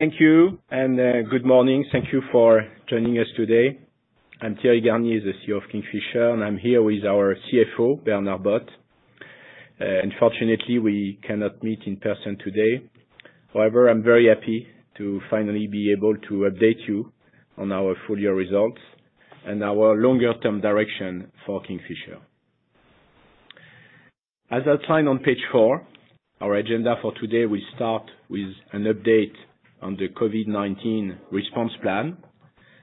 Thank you and good morning. Thank you for joining us today. I'm Thierry Garnier, the CEO of Kingfisher, and I'm here with our CFO, Bernard Bot. Unfortunately, we cannot meet in person today. I'm very happy to finally be able to update you on our full-year results and our longer-term direction for Kingfisher. As outlined on page four, our agenda for today will start with an update on the COVID-19 response plan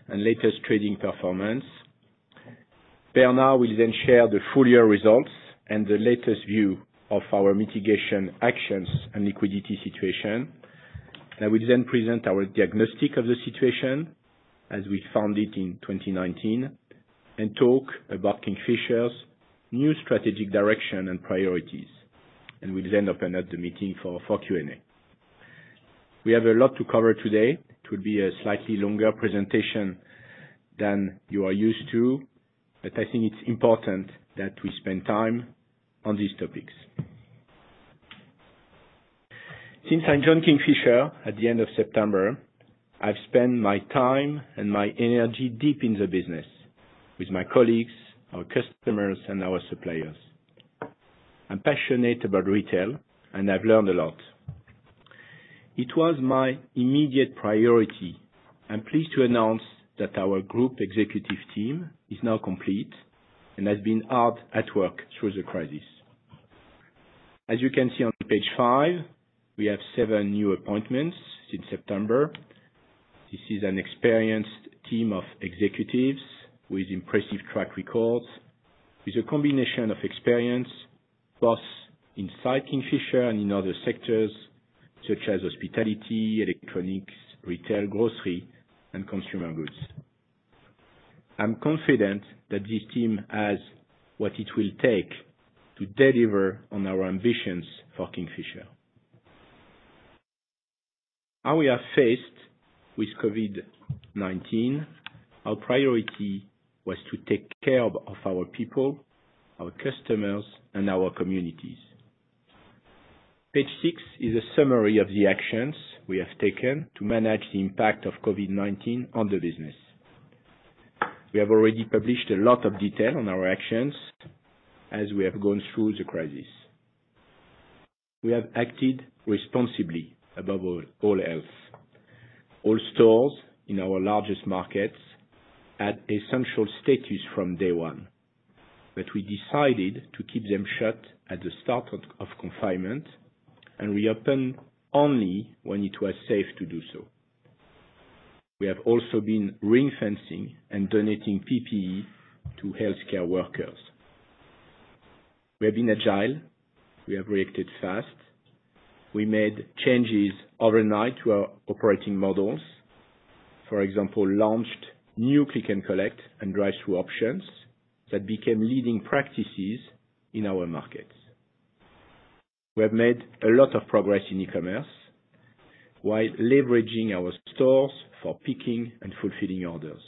and latest trading performance. Bernard will share the full-year results and the latest view of our mitigation actions and liquidity situation. I will present our diagnostic of the situation as we found it in 2019 and talk about Kingfisher's new strategic direction and priorities. We'll then open up the meeting for Q&A. We have a lot to cover today. It will be a slightly longer presentation than you are used to, but I think it's important that we spend time on these topics. Since I joined Kingfisher at the end of September, I've spent my time and my energy deep in the business with my colleagues, our customers, and our suppliers. I'm passionate about retail, and I've learned a lot. It was my immediate priority. I'm pleased to announce that our group executive team is now complete and has been hard at work through the crisis. As you can see on page five, we have seven new appointments since September. This is an experienced team of executives with impressive track records, with a combination of experience, both inside Kingfisher and in other sectors such as hospitality, electronics, retail, grocery, and consumer goods. I'm confident that this team has what it will take to deliver on our ambitions for Kingfisher. How we are faced with COVID-19, our priority was to take care of our people, our customers, and our communities. Page six is a summary of the actions we have taken to manage the impact of COVID-19 on the business. We have already published a lot of detail on our actions as we have gone through the crisis. We have acted responsibly above all else. All stores in our largest markets had essential status from day one, but we decided to keep them shut at the start of confinement and reopen only when it was safe to do so. We have also been ring-fencing and donating PPE to healthcare workers. We have been agile. We have reacted fast. We made changes overnight to our operating models. For example, launched new click and collect and drive-through options that became leading practices in our markets. We have made a lot of progress in e-commerce while leveraging our stores for picking and fulfilling orders.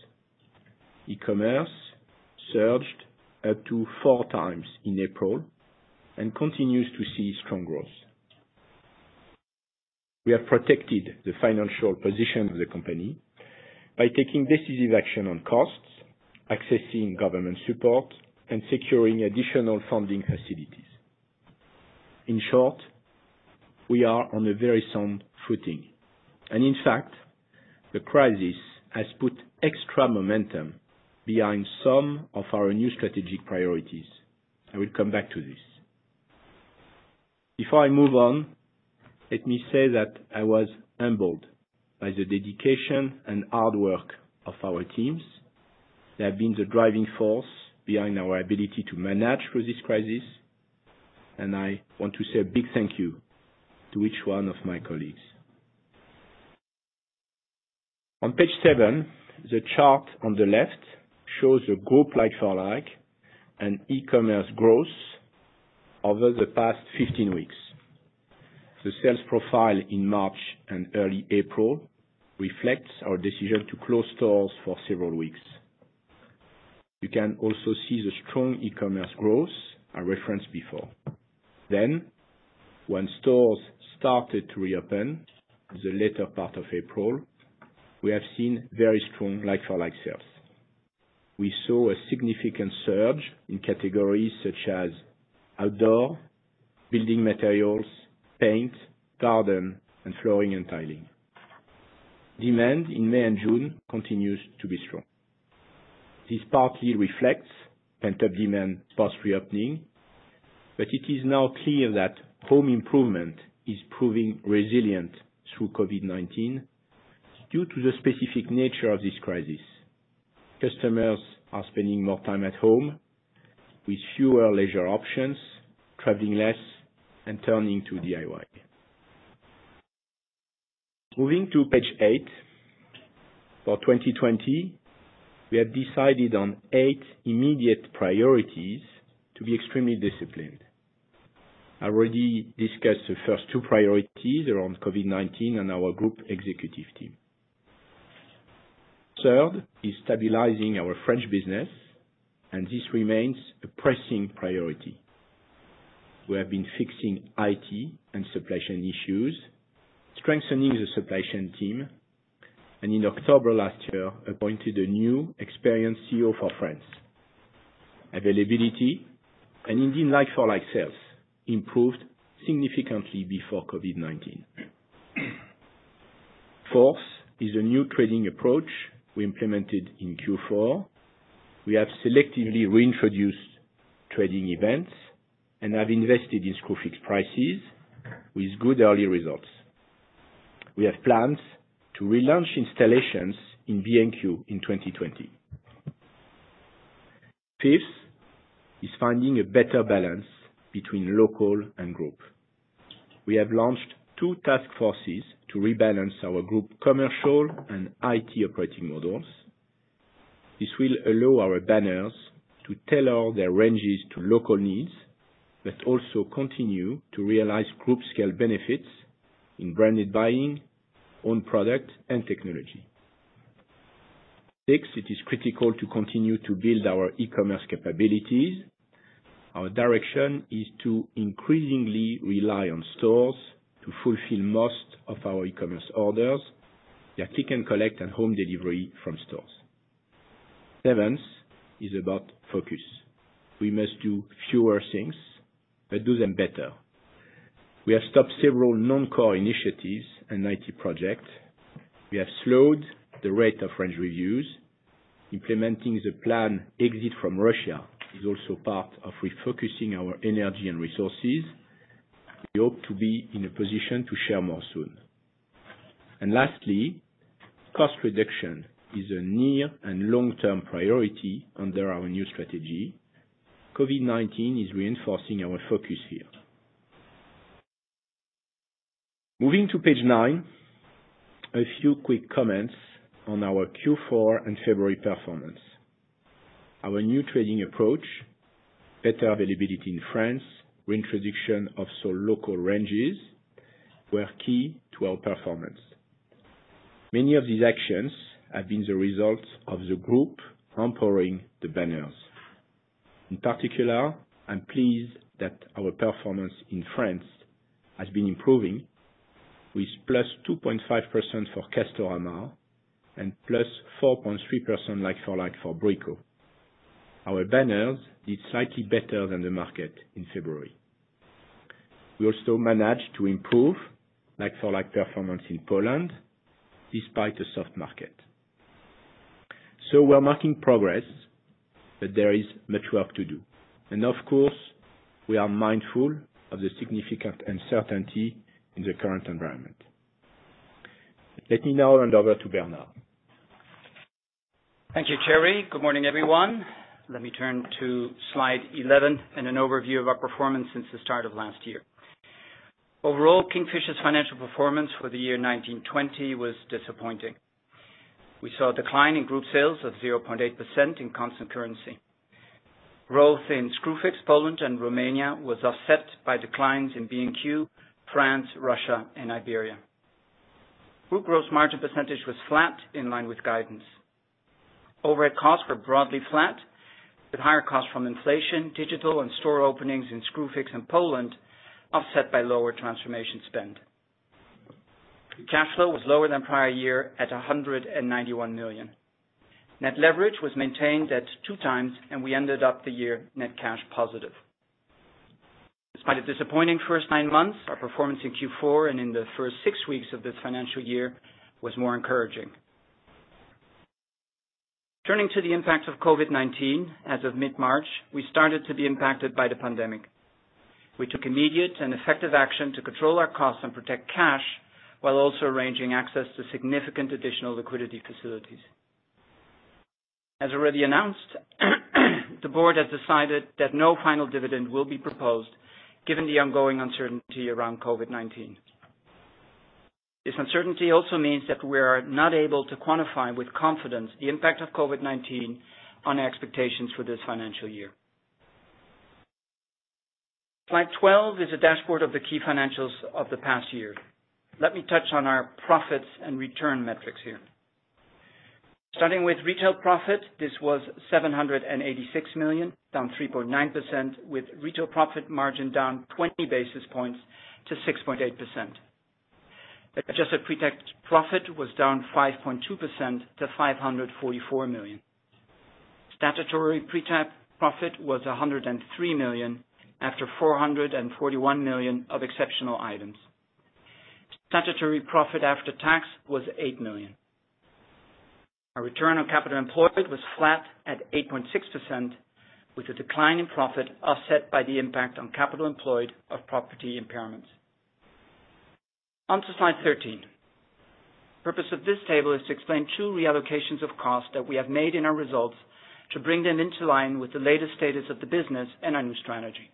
E-commerce surged up to four times in April and continues to see strong growth. We have protected the financial position of the company by taking decisive action on costs, accessing government support, and securing additional funding facilities. In short, we are on a very sound footing, and in fact, the crisis has put extra momentum behind some of our new strategic priorities. I will come back to this. Before I move on, let me say that I was humbled by the dedication and hard work of our teams. They have been the driving force behind our ability to manage through this crisis, and I want to say a big thank you to each one of my colleagues. On page seven, the chart on the left shows the group like-for-like and e-commerce growth over the past 15 weeks. The sales profile in March and early April reflects our decision to close stores for several weeks. You can also see the strong e-commerce growth I referenced before. When stores started to reopen the later part of April, we have seen very strong like-for-like sales. We saw a significant surge in categories such as outdoor, building materials, paint, garden, and flooring and tiling. Demand in May and June continues to be strong. This partly reflects pent-up demand post-reopening, but it is now clear that home improvement is proving resilient through COVID-19 due to the specific nature of this crisis. Customers are spending more time at home with fewer leisure options, traveling less, and turning to DIY. Moving to page eight, for 2020, we have decided on eight immediate priorities to be extremely disciplined. I already discussed the first two priorities around COVID-19 and our group executive team. Third is stabilizing our French business. This remains a pressing priority. We have been fixing IT and supply chain issues, strengthening the supply chain team, and in October last year, appointed a new experienced CEO for France. Availability and indeed like-for-like sales improved significantly before COVID-19. Fourth is a new trading approach we implemented in Q4. We have selectively reintroduced trading events and have invested in Screwfix prices with good early results. We have plans to relaunch installations in B&Q in 2020. Fifth is finding a better balance between local and group. We have launched two task forces to rebalance our group commercial and IT operating models. This will allow our banners to tailor their ranges to local needs, but also continue to realize group scale benefits in branded buying, own product, and technology. Six, it is critical to continue to build our e-commerce capabilities. Our direction is to increasingly rely on stores to fulfill most of our e-commerce orders, yeah, click and collect and home delivery from stores. Seventh is about focus. We must do fewer things but do them better. We have stopped several non-core initiatives and IT projects. We have slowed the rate of range reviews. Implementing the plan exit from Russia is also part of refocusing our energy and resources. We hope to be in a position to share more soon. Lastly, cost reduction is a near and long-term priority under our new strategy. COVID-19 is reinforcing our focus here. Moving to page nine, a few quick comments on our Q4 and February performance. Our new trading approach, better availability in France, reintroduction of sole local ranges, were key to our performance. Many of these actions have been the result of the group empowering the banners. In particular, I'm pleased that our performance in France has been improving, with +2.5% for Castorama and +4.3% like-for-like for Brico. Our banners did slightly better than the market in February. We also managed to improve like-for-like performance in Poland, despite a soft market. We're marking progress, but there is much work to do. Of course, we are mindful of the significant uncertainty in the current environment. Let me now hand over to Bernard. Thank you, Thierry. Good morning, everyone. Let me turn to slide 11 and an overview of our performance since the start of last year. Overall, Kingfisher's financial performance for the year 2019/2020 was disappointing. We saw a decline in group sales of 0.8% in constant currency. Growth in Screwfix, Poland, and Romania was offset by declines in B&Q, France, Russia, and Iberia. Group gross margin percentage was flat in line with guidance. Overhead costs were broadly flat, with higher costs from inflation, digital, and store openings in Screwfix and Poland offset by lower transformation spend. Cash flow was lower than prior year at 191 million. Net leverage was maintained at 2x, and we ended up the year net cash positive. Despite a disappointing first nine months, our performance in Q4 and in the first six weeks of this financial year was more encouraging. Turning to the impact of COVID-19, as of mid-March, we started to be impacted by the pandemic. We took immediate and effective action to control our costs and protect cash, while also arranging access to significant additional liquidity facilities. As already announced, the board has decided that no final dividend will be proposed given the ongoing uncertainty around COVID-19. This uncertainty also means that we are not able to quantify with confidence the impact of COVID-19 on expectations for this financial year. Slide 12 is a dashboard of the key financials of the past year. Let me touch on our profits and return metrics here. Starting with retail profit, this was 786 million, down 3.9%, with retail profit margin down 20 basis points to 6.8%. The adjusted pre-tax profit was down 5.2% to 544 million. Statutory pre-tax profit was 103 million after 441 million of exceptional items. Statutory profit after tax was 8 million. Our return on capital employed was flat at 8.6%, with a decline in profit offset by the impact on capital employed of property impairments. On to slide 13. Purpose of this table is to explain two reallocations of costs that we have made in our results to bring them into line with the latest status of the business and our new strategy.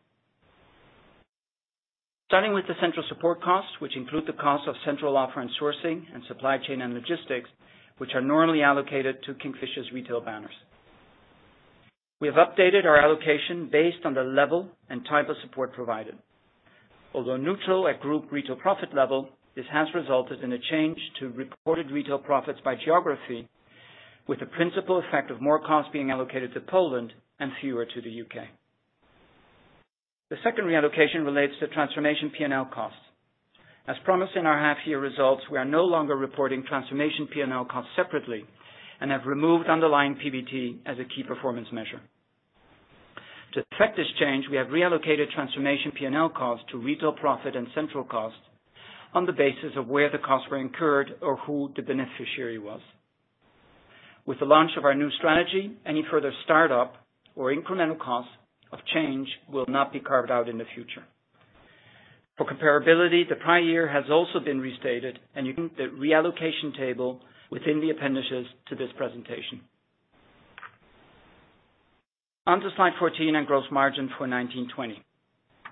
Starting with the central support costs, which include the cost of central offer and sourcing and supply chain and logistics, which are normally allocated to Kingfisher's retail banners. We have updated our allocation based on the level and type of support provided. Neutral at group retail profit level, this has resulted in a change to reported retail profits by geography, with the principal effect of more costs being allocated to Poland and fewer to the U.K. The second reallocation relates to transformation P&L costs. As promised in our half year results, we are no longer reporting transformation P&L costs separately and have removed underlying PBT as a key performance measure. To effect this change, we have reallocated transformation P&L cost to retail profit and central cost on the basis of where the costs were incurred or who the beneficiary was. With the launch of our new strategy, any further start-up or incremental cost of change will not be carved out in the future. For comparability, the prior year has also been restated, and you can view the reallocation table within the appendices to this presentation. On to slide 14 and gross margin for 2019/2020.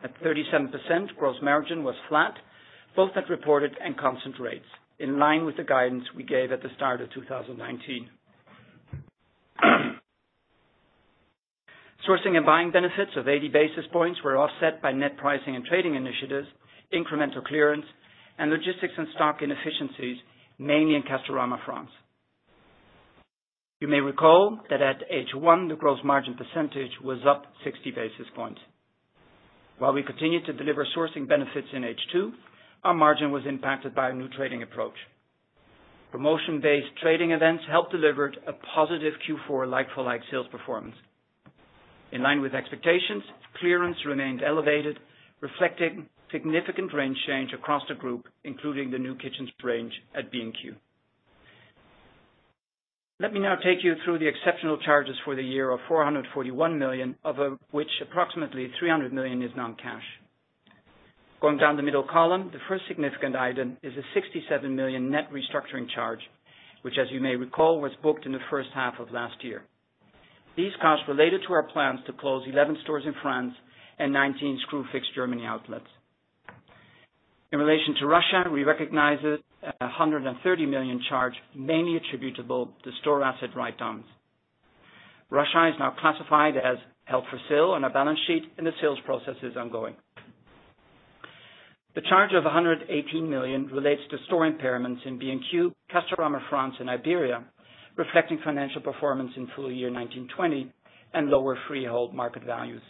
At 37%, gross margin was flat, both at reported and constant rates, in line with the guidance we gave at the start of 2019. Sourcing and buying benefits of 80 basis points were offset by net pricing and trading initiatives, incremental clearance, and logistics and stock inefficiencies, mainly in Castorama France. You may recall that at H1, the gross margin percentage was up 60 basis points. While we continued to deliver sourcing benefits in H2, our margin was impacted by a new trading approach. Promotion-based trading events helped delivered a positive Q4 like-for-like sales performance. In line with expectations, clearance remained elevated, reflecting significant range change across the group, including the new kitchens range at B&Q. Let me now take you through the exceptional charges for the year of 441 million, of which approximately 300 million is non-cash. Going down the middle column, the first significant item is a 67 million net restructuring charge, which as you may recall, was booked in the first half of last year. These costs related to our plans to close 11 stores in France and 19 Screwfix Germany outlets. In relation to Russia, we recognized 130 million charge, mainly attributable to store asset write-downs. Russia is now classified as held for sale on our balance sheet, and the sales process is ongoing. The charge of 118 million relates to store impairments in B&Q, Castorama France, and Iberia, reflecting financial performance in full year 2019/2020 and lower freehold market values.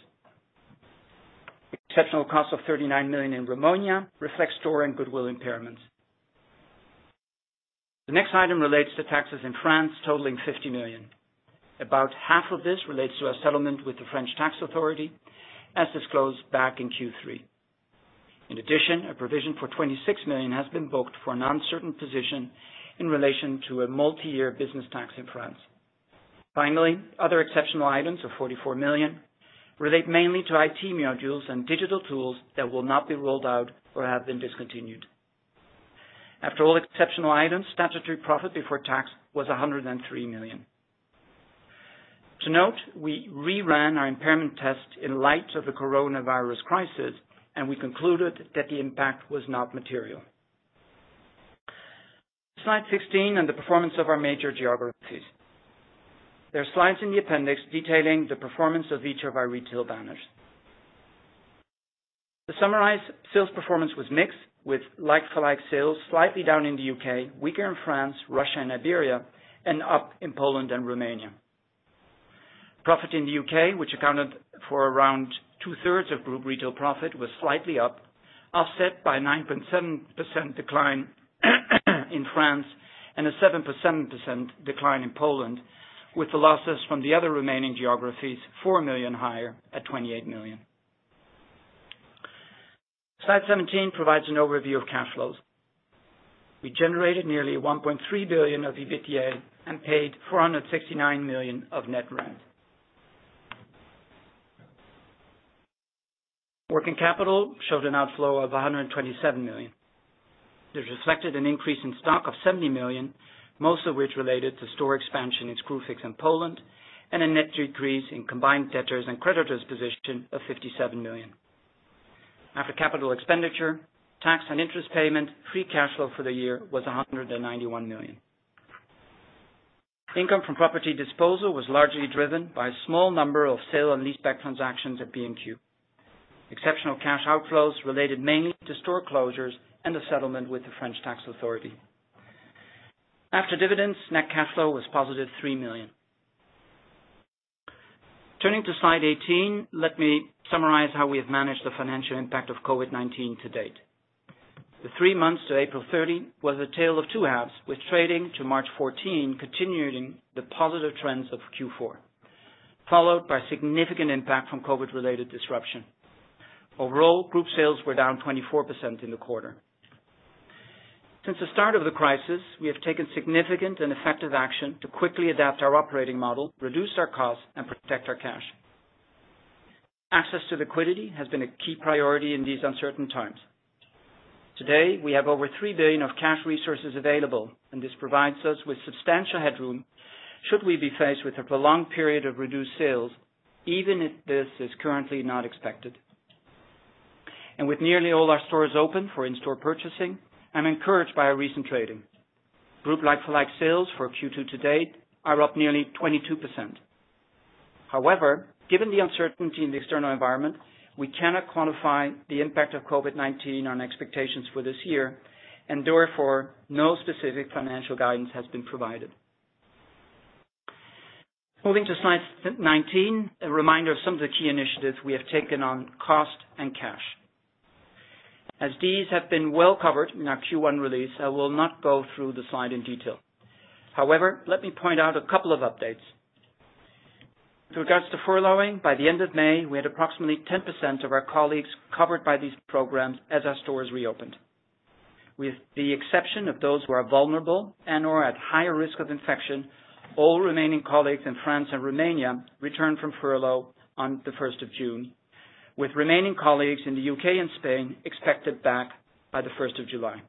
Exceptional cost of 39 million in Romania reflects store and goodwill impairments. The next item relates to taxes in France totaling 50 million. About half of this relates to a settlement with the French tax authority, as disclosed back in Q3. In addition, a provision for 26 million has been booked for an uncertain position in relation to a multi-year business tax in France. Finally, other exceptional items of 44 million relate mainly to IT modules and digital tools that will not be rolled out or have been discontinued. After all exceptional items, statutory profit before tax was 103 million. To note, we reran our impairment test in light of the coronavirus crisis. We concluded that the impact was not material. Slide 16. The performance of our major geographies. There are slides in the appendix detailing the performance of each of our retail banners. To summarize, sales performance was mixed, with like-for-like sales slightly down in the U.K., weaker in France, Russia, and Iberia, and up in Poland and Romania. Profit in the U.K., which accounted for around two-thirds of group retail profit, was slightly up, offset by 9.7% decline in France and a 7% decline in Poland, with the losses from the other remaining geographies, 4 million higher at 28 million. Slide 17 provides an overview of cash flows. We generated nearly 1.3 billion of EBITDA and paid 469 million of net rent. Working capital showed an outflow of 127 million, which reflected an increase in stock of 70 million, most of which related to store expansion in Screwfix in Poland and a net decrease in combined debtors and creditors position of 57 million. After capital expenditure, tax, and interest payment, free cash flow for the year was 191 million. Income from property disposal was largely driven by a small number of sale and leaseback transactions at B&Q. Exceptional cash outflows related mainly to store closures and a settlement with the French tax authority. After dividends, net cash flow was positive 3 million. Turning to slide 18, let me summarize how we have managed the financial impact of COVID-19 to date. The three months to April 30 was a tale of two halves, with trading to March 14 continuing the positive trends of Q4, followed by significant impact from COVID-related disruption. Overall, group sales were down 24% in the quarter. Since the start of the crisis, we have taken significant and effective action to quickly adapt our operating model, reduce our costs, and protect our cash. Access to liquidity has been a key priority in these uncertain times. Today, we have over 3 billion of cash resources available, and this provides us with substantial headroom should we be faced with a prolonged period of reduced sales, even if this is currently not expected. With nearly all our stores open for in-store purchasing, I'm encouraged by our recent trading. Group like-for-like sales for Q2 to date are up nearly 22%. However, given the uncertainty in the external environment, we cannot quantify the impact of COVID-19 on expectations for this year, and therefore, no specific financial guidance has been provided. Moving to slide 19, a reminder of some of the key initiatives we have taken on cost and cash. These have been well covered in our Q1 release, I will not go through the slide in detail. Let me point out a couple of updates. With regards to furloughing, by the end of May, we had approximately 10% of our colleagues covered by these programs as our stores reopened. With the exception of those who are vulnerable and/or at higher risk of infection, all remaining colleagues in France and Romania returned from furlough on the 1st of June, with remaining colleagues in the U.K. and Spain expected back by the 1st of July.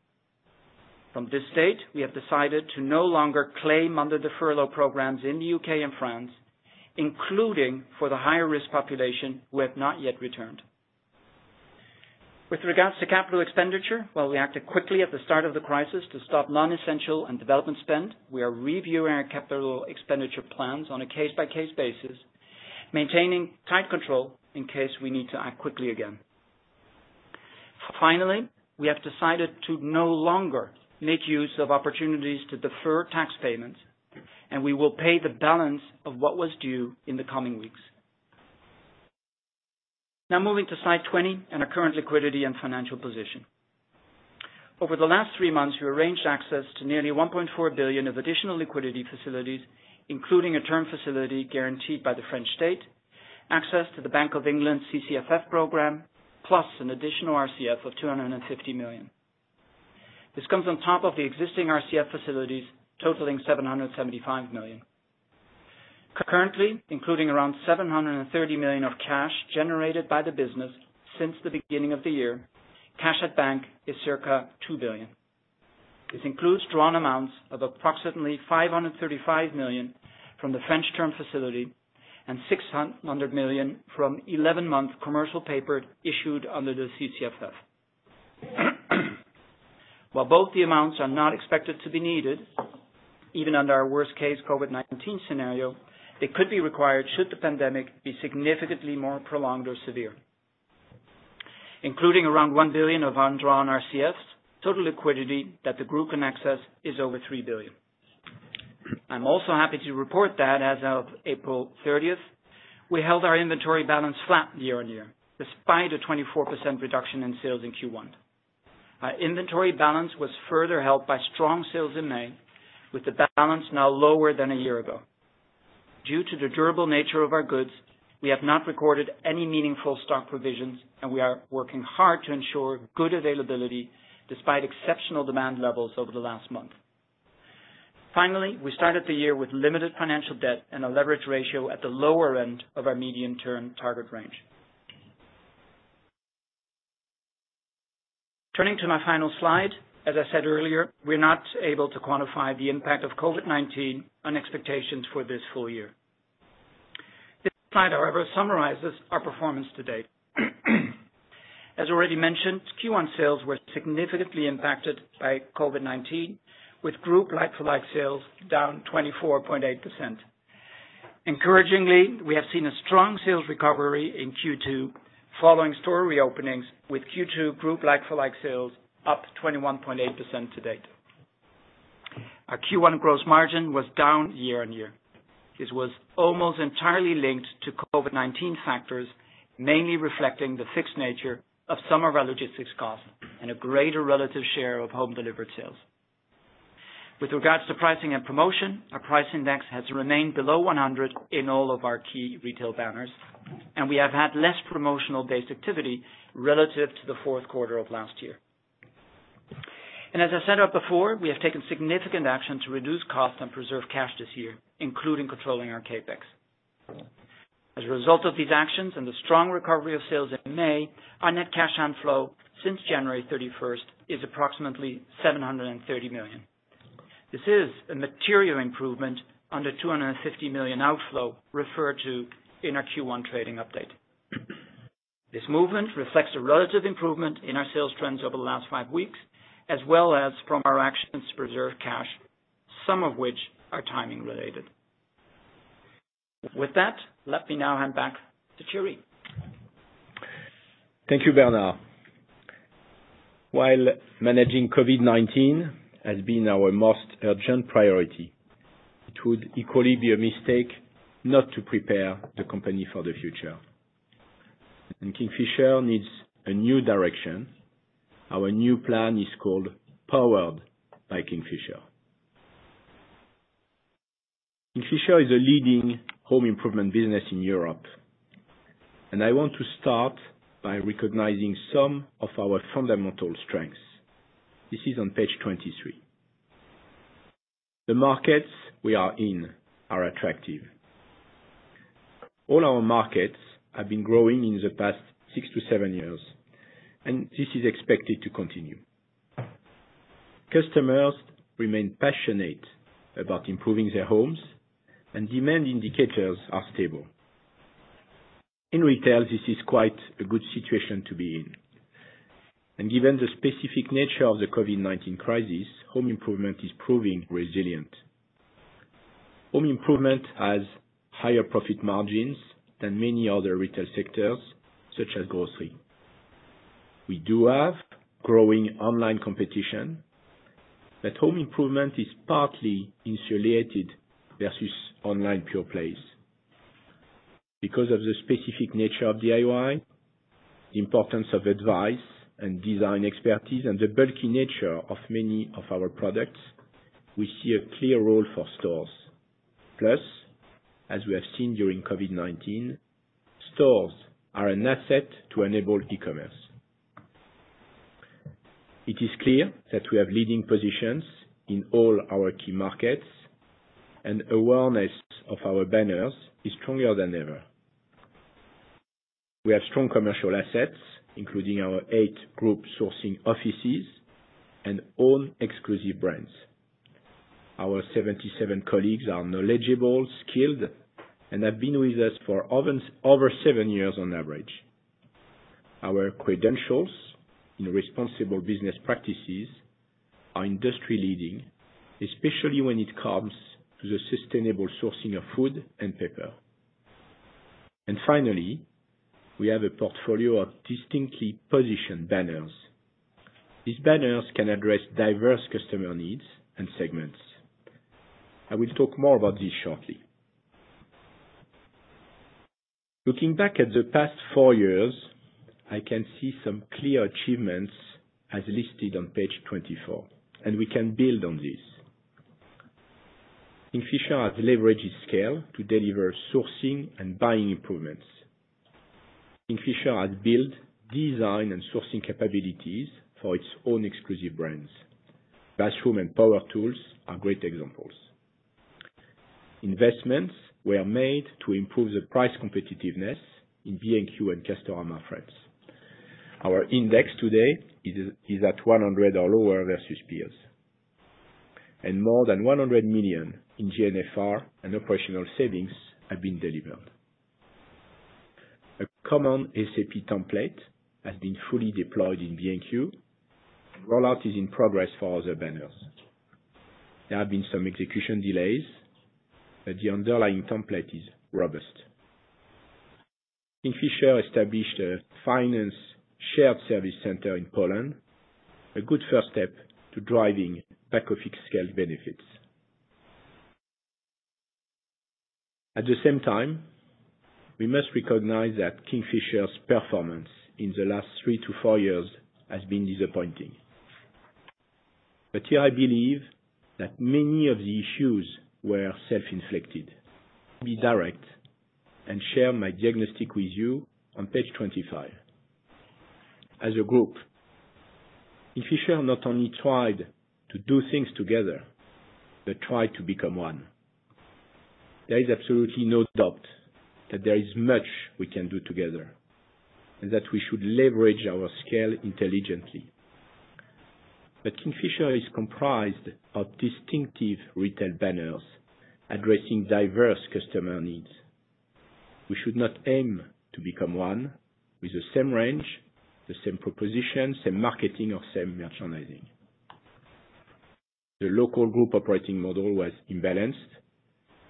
From this date, we have decided to no longer claim under the furlough programs in the U.K. and France, including for the higher risk population who have not yet returned. With regards to capital expenditure, while we acted quickly at the start of the crisis to stop non-essential and development spend, we are reviewing our capital expenditure plans on a case-by-case basis, maintaining tight control in case we need to act quickly again. Finally, we have decided to no longer make use of opportunities to defer tax payments, and we will pay the balance of what was due in the coming weeks. Now, moving to slide 20 and our current liquidity and financial position. Over the last three months, we arranged access to nearly 1.4 billion of additional liquidity facilities, including a term facility guaranteed by the French state, access to the Bank of England CCFF program, plus an additional RCF of 250 million. This comes on top of the existing RCF facilities totaling 775 million. Currently, including around 730 million of cash generated by the business since the beginning of the year, cash at bank is circa 2 billion. This includes drawn amounts of approximately 535 million from the French term facility and 600 million from 11-month commercial paper issued under the CCFF. While both the amounts are not expected to be needed, even under our worst case COVID-19 scenario, they could be required should the pandemic be significantly more prolonged or severe. Including around 1 billion of undrawn RCFs, total liquidity that the group can access is over 3 billion. I'm also happy to report that as of April 30th, we held our inventory balance flat year-on-year, despite a 24% reduction in sales in Q1. Our inventory balance was further helped by strong sales in May, with the balance now lower than a year ago. Due to the durable nature of our goods, we have not recorded any meaningful stock provisions, and we are working hard to ensure good availability despite exceptional demand levels over the last month. Finally, we started the year with limited financial debt and a leverage ratio at the lower end of our medium-term target range. Turning to my final slide, as I said earlier, we're not able to quantify the impact of COVID-19 on expectations for this full year. This slide, however, summarizes our performance to date. As already mentioned, Q1 sales were significantly impacted by COVID-19, with group like-for-like sales down 24.8%. Encouragingly, we have seen a strong sales recovery in Q2 following store reopenings, with Q2 group like-for-like sales up 21.8% to date. Our Q1 gross margin was down year-over-year. This was almost entirely linked to COVID-19 factors, mainly reflecting the fixed nature of some of our logistics costs and a greater relative share of home delivered sales. With regards to pricing and promotion, our price index has remained below 100 in all of our key retail banners. We have had less promotional-based activity relative to the fourth quarter of last year. As I said out before, we have taken significant action to reduce costs and preserve cash this year, including controlling our CapEx. As a result of these actions and the strong recovery of sales in May, our net cash flow since January 31st is approximately 730 million. This is a material improvement on the 250 million outflow referred to in our Q1 trading update. This movement reflects a relative improvement in our sales trends over the last five weeks, as well as from our actions to preserve cash, some of which are timing related. Let me now hand back to Thierry. Thank you, Bernard. While managing COVID-19 has been our most urgent priority, it would equally be a mistake not to prepare the company for the future. Kingfisher needs a new direction. Our new plan is called Powered by Kingfisher. Kingfisher is a leading home improvement business in Europe. I want to start by recognizing some of our fundamental strengths. This is on page 23. The markets we are in are attractive. All our markets have been growing in the past six to seven years, and this is expected to continue. Customers remain passionate about improving their homes. Demand indicators are stable. In retail, this is quite a good situation to be in. Given the specific nature of the COVID-19 crisis, home improvement is proving resilient. Home improvement has higher profit margins than many other retail sectors, such as grocery. We do have growing online competition, but home improvement is partly insulated versus online pure plays. Because of the specific nature of DIY, the importance of advice and design expertise, and the bulky nature of many of our products, we see a clear role for stores. Plus, as we have seen during COVID-19, stores are an asset to enable e-commerce. It is clear that we have leading positions in all our key markets, and awareness of our banners is stronger than ever. We have strong commercial assets, including our eight group sourcing offices and Own Exclusive Brands. Our 77 colleagues are knowledgeable, skilled, and have been with us for over seven years on average. Our credentials in responsible business practices are industry leading, especially when it comes to the sustainable sourcing of wood and paper. Finally, we have a portfolio of distinctly positioned banners. These banners can address diverse customer needs and segments. I will talk more about this shortly. Looking back at the past four years, I can see some clear achievements as listed on page 24. We can build on this. Kingfisher has leveraged its scale to deliver sourcing and buying improvements. Kingfisher has built design and sourcing capabilities for its own exclusive brands. Bathroom and power tools are great examples. Investments were made to improve the price competitiveness in B&Q and Castorama France. Our index today is at 100 or lower versus peers. More than 100 million in GNFR and operational savings have been delivered. A common SAP template has been fully deployed in B&Q. Rollout is in progress for other banners. There have been some execution delays. The underlying template is robust. Kingfisher established a finance shared service center in Poland, a good first step to driving back-office scale benefits. At the same time, we must recognize that Kingfisher's performance in the last three to four years has been disappointing. Here I believe that many of the issues were self-inflicted. Be direct and share my diagnostic with you on page 25. As a group, Kingfisher not only tried to do things together, but tried to become one. There is absolutely no doubt that there is much we can do together, and that we should leverage our scale intelligently. Kingfisher is comprised of distinctive retail banners addressing diverse customer needs. We should not aim to become one with the same range, the same proposition, same marketing or same merchandising. The local group operating model was imbalanced.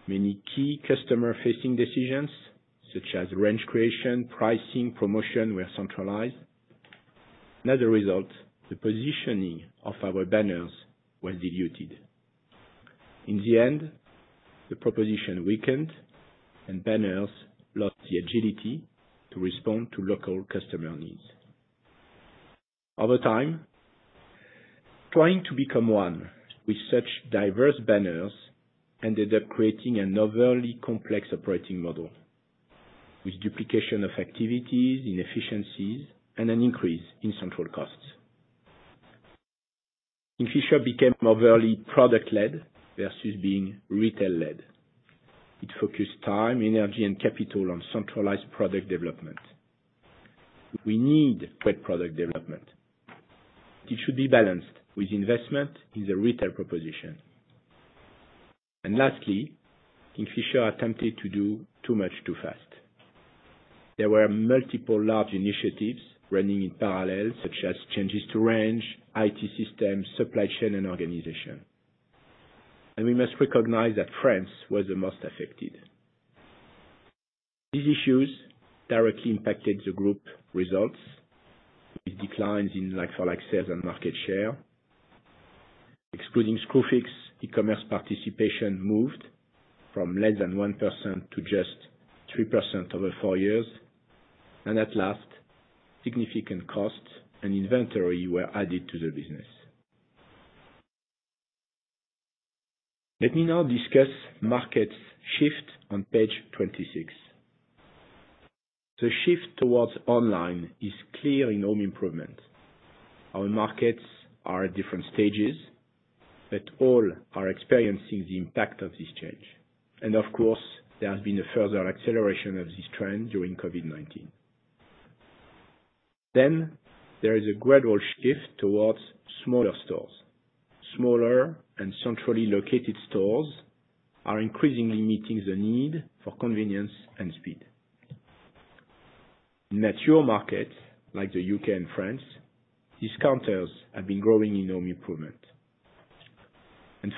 Many key customer-facing decisions such as range creation, pricing, promotion were centralized. As a result, the positioning of our banners was diluted. In the end, the proposition weakened and banners lost the agility to respond to local customer needs. Over time, trying to become one with such diverse banners ended up creating an overly complex operating model with duplication of activities, inefficiencies, and an increase in central costs. Kingfisher became overly product-led versus being retail-led. It focused time, energy, and capital on centralized product development. We need great product development. It should be balanced with investment in the retail proposition. Lastly, Kingfisher attempted to do too much, too fast. There were multiple large initiatives running in parallel, such as changes to range, IT systems, supply chain, and organization. We must recognize that France was the most affected. These issues directly impacted the group results with declines in like-for-like sales and market share. Excluding Screwfix, e-commerce participation moved from less than 1% to just 3% over four years. At last, significant costs and inventory were added to the business. Let me now discuss markets shift on page 26. The shift towards online is clear in home improvement. Our markets are at different stages, but all are experiencing the impact of this change. Of course, there has been a further acceleration of this trend during COVID-19. There is a gradual shift towards smaller stores. Smaller and centrally located stores are increasingly meeting the need for convenience and speed. In mature markets like the U.K. and France, discounters have been growing in home improvement.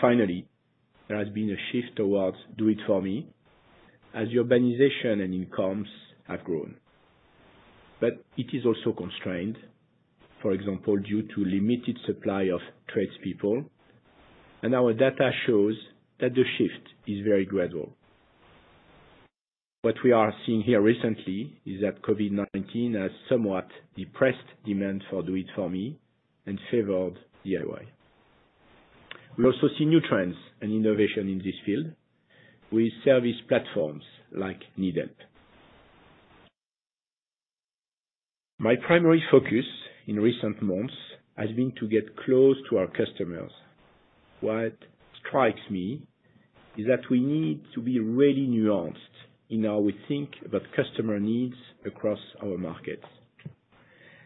Finally, there has been a shift towards do it for me as urbanization and incomes have grown. It is also constrained, for example, due to limited supply of tradespeople, and our data shows that the shift is very gradual. What we are seeing here recently is that COVID-19 has somewhat depressed demand for do it for me and favored DIY. We also see new trends and innovation in this field with service platforms like NeedHelp. My primary focus in recent months has been to get close to our customers. What strikes me is that we need to be really nuanced in how we think about customer needs across our markets.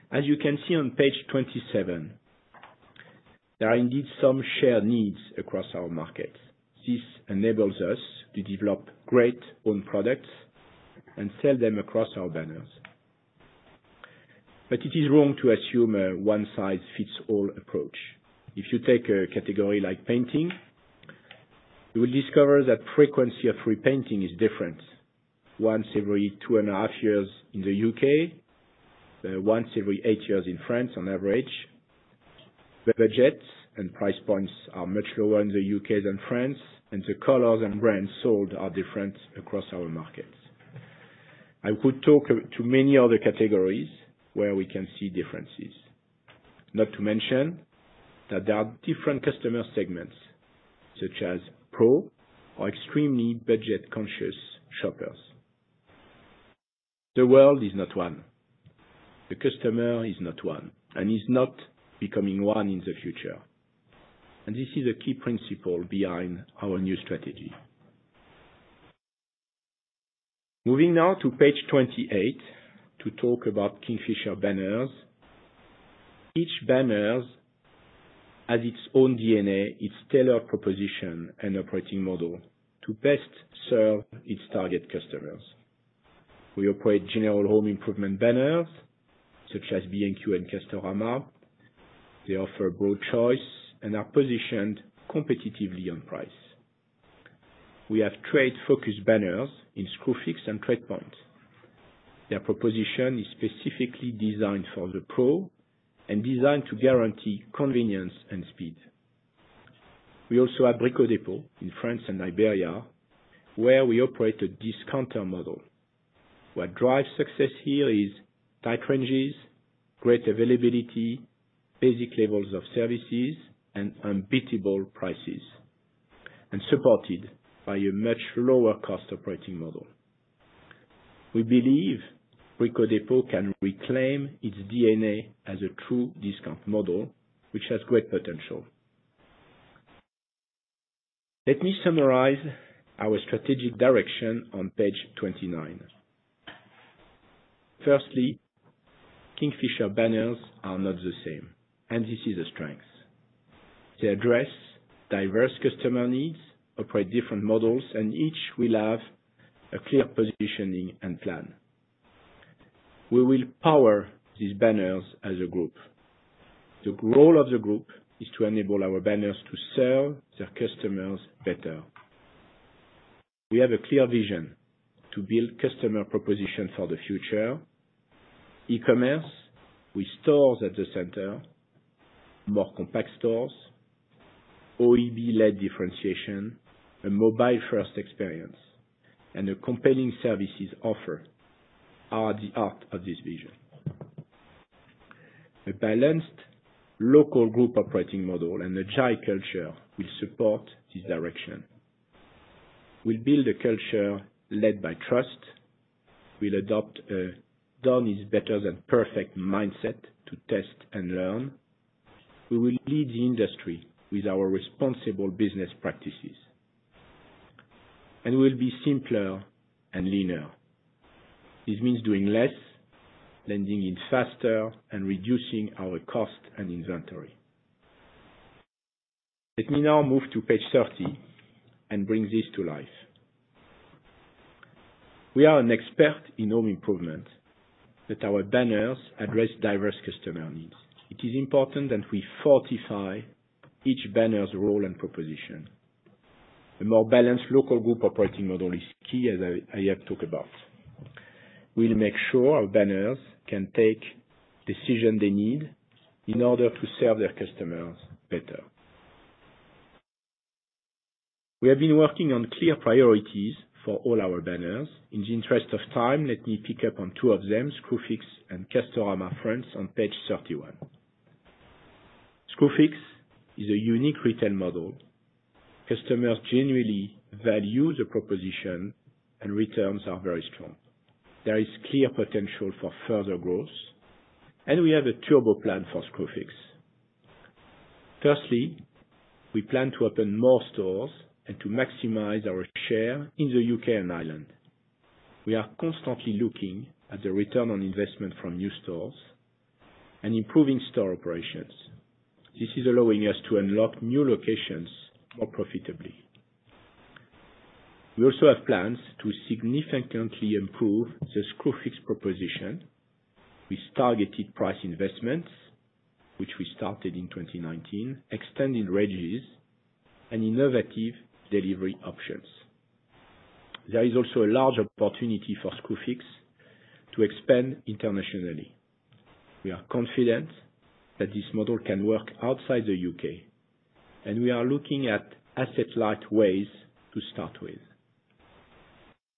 As you can see on page 27, there are indeed some shared needs across our markets. This enables us to develop great own products and sell them across our banners. It is wrong to assume a one-size-fits-all approach. If you take a category like painting, you will discover that frequency of repainting is different. Once every two and a half years in the U.K., once every eight years in France on average. The budgets and price points are much lower in the U.K. than France. The colors and brands sold are different across our markets. I could talk to many other categories where we can see differences. Not to mention that there are different customer segments such as pro or extremely budget-conscious shoppers. The world is not one. The customer is not one and is not becoming one in the future. This is a key principle behind our new strategy. Moving now to page 28 to talk about Kingfisher banners. Each banner has its own DNA, its tailored proposition and operating model to best serve its target customers. We operate general home improvement banners such as B&Q and Castorama. They offer broad choice and are positioned competitively on price. We have trade-focused banners in Screwfix and TradePoint. Their proposition is specifically designed for the pro and designed to guarantee convenience and speed. We also have Brico Dépôt in France and Iberia where we operate a discounter model. What drives success here is tight ranges, great availability, basic levels of services, and unbeatable prices, and supported by a much lower cost operating model. We believe Brico Dépôt can reclaim its DNA as a true discount model, which has great potential. Let me summarize our strategic direction on page 29. Kingfisher banners are not the same, and this is a strength. They address diverse customer needs, operate different models, and each will have a clear positioning and plan. We will power these banners as a group. The role of the group is to enable our banners to serve their customers better. We have a clear vision to build customer proposition for the future, e-commerce with stores at the center, more compact stores, OEB-led differentiation, a mobile-first experience, and a compelling services offer are the heart of this vision. A balanced local group operating model and agile culture will support this direction. We'll build a culture led by trust. We'll adopt a done is better than perfect mindset to test and learn. We will lead the industry with our responsible business practices. We'll be simpler and leaner. This means doing less, landing it faster, and reducing our cost and inventory. Let me now move to page 30 and bring this to life. We are an expert in home improvement that our banners address diverse customer needs. It is important that we fortify each banner's role and proposition. A more balanced local group operating model is key, as I have talked about. We'll make sure our banners can take decision they need in order to serve their customers better. We have been working on clear priorities for all our banners. In the interest of time, let me pick up on two of them, Screwfix and Castorama France on page 31. Screwfix is a unique retail model. Customers genuinely value the proposition and returns are very strong. There is clear potential for further growth, and we have a turbo plan for Screwfix. Firstly, we plan to open more stores and to maximize our share in the U.K. and Ireland. We are constantly looking at the return on investment from new stores and improving store operations. This is allowing us to unlock new locations more profitably. We also have plans to significantly improve the Screwfix proposition with targeted price investments, which we started in 2019, extending ranges and innovative delivery options. There is also a large opportunity for Screwfix to expand internationally. We are confident that this model can work outside the U.K., and we are looking at asset-light ways to start with.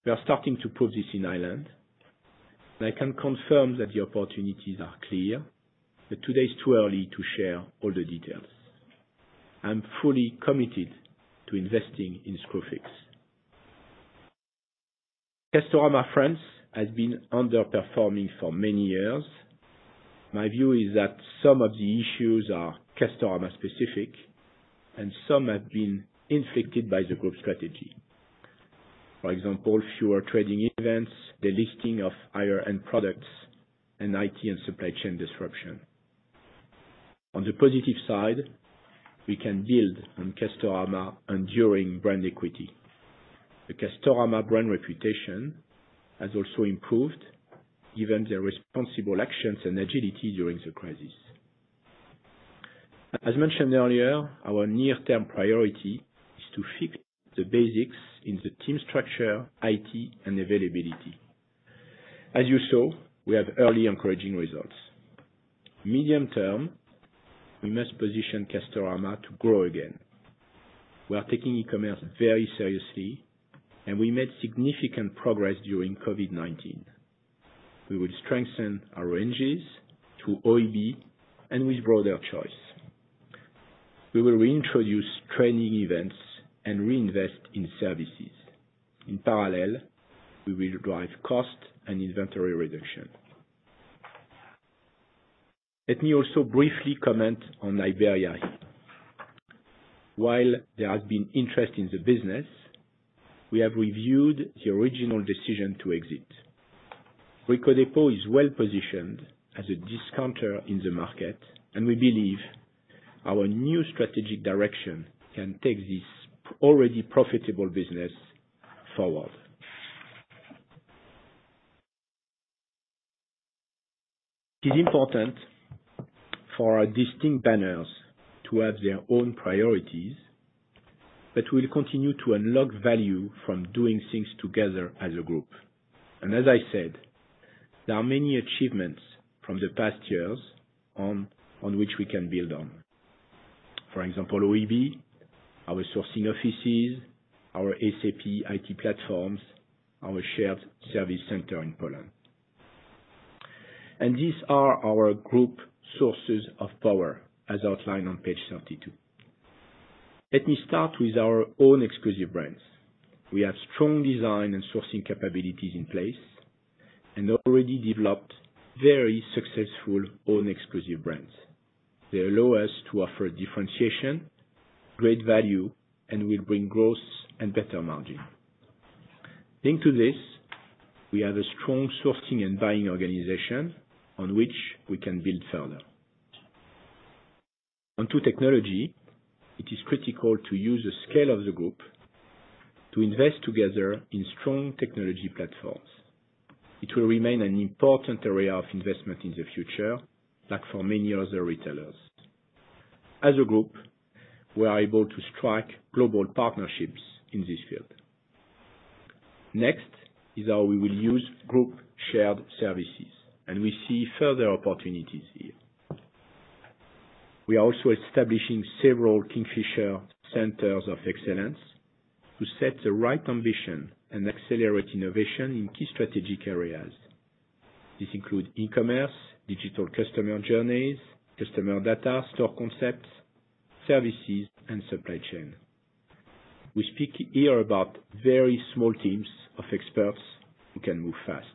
We are starting to prove this in Ireland, and I can confirm that the opportunities are clear, but today is too early to share all the details. I am fully committed to investing in Screwfix. Castorama France has been underperforming for many years. My view is that some of the issues are Castorama specific and some have been inflicted by the group strategy. For example, fewer trading events, the listing of higher-end products, and IT and supply chain disruption. On the positive side, we can build on Castorama enduring brand equity. The Castorama brand reputation has also improved given their responsible actions and agility during the crisis. As mentioned earlier, our near-term priority is to fix the basics in the team structure, IT, and availability. As you saw, we have early encouraging results. Medium term, we must position Castorama to grow again. We are taking e-commerce very seriously, and we made significant progress during COVID-19. We will strengthen our ranges through OEB and with broader choice. We will reintroduce trading events and reinvest in services. In parallel, we will drive cost and inventory reduction. Let me also briefly comment on Iberia here. While there has been interest in the business, we have reviewed the original decision to exit. Brico Dépôt is well positioned as a discounter in the market, and we believe our new strategic direction can take this already profitable business forward. It is important for our distinct banners to have their own priorities, but we'll continue to unlock value from doing things together as a group. As I said, there are many achievements from the past years on which we can build on. For example, OEB, our sourcing offices, our SAP IT platforms, our shared service center in Poland. These are our group sources of power, as outlined on page 32. Let me start with our own exclusive brands. We have strong design and sourcing capabilities in place and already developed very successful own exclusive brands. They allow us to offer differentiation, great value, and will bring growth and better margin. Linked to this, we have a strong sourcing and buying organization on which we can build further. Onto technology, it is critical to use the scale of the group to invest together in strong technology platforms. It will remain an important area of investment in the future, like for many other retailers. As a group, we are able to strike global partnerships in this field. Next is how we will use group shared services, and we see further opportunities here. We are also establishing several Kingfisher Centers of Excellence to set the right ambition and accelerate innovation in key strategic areas. This includes e-commerce, digital customer journeys, customer data, store concepts, services, and supply chain. We speak here about very small teams of experts who can move fast.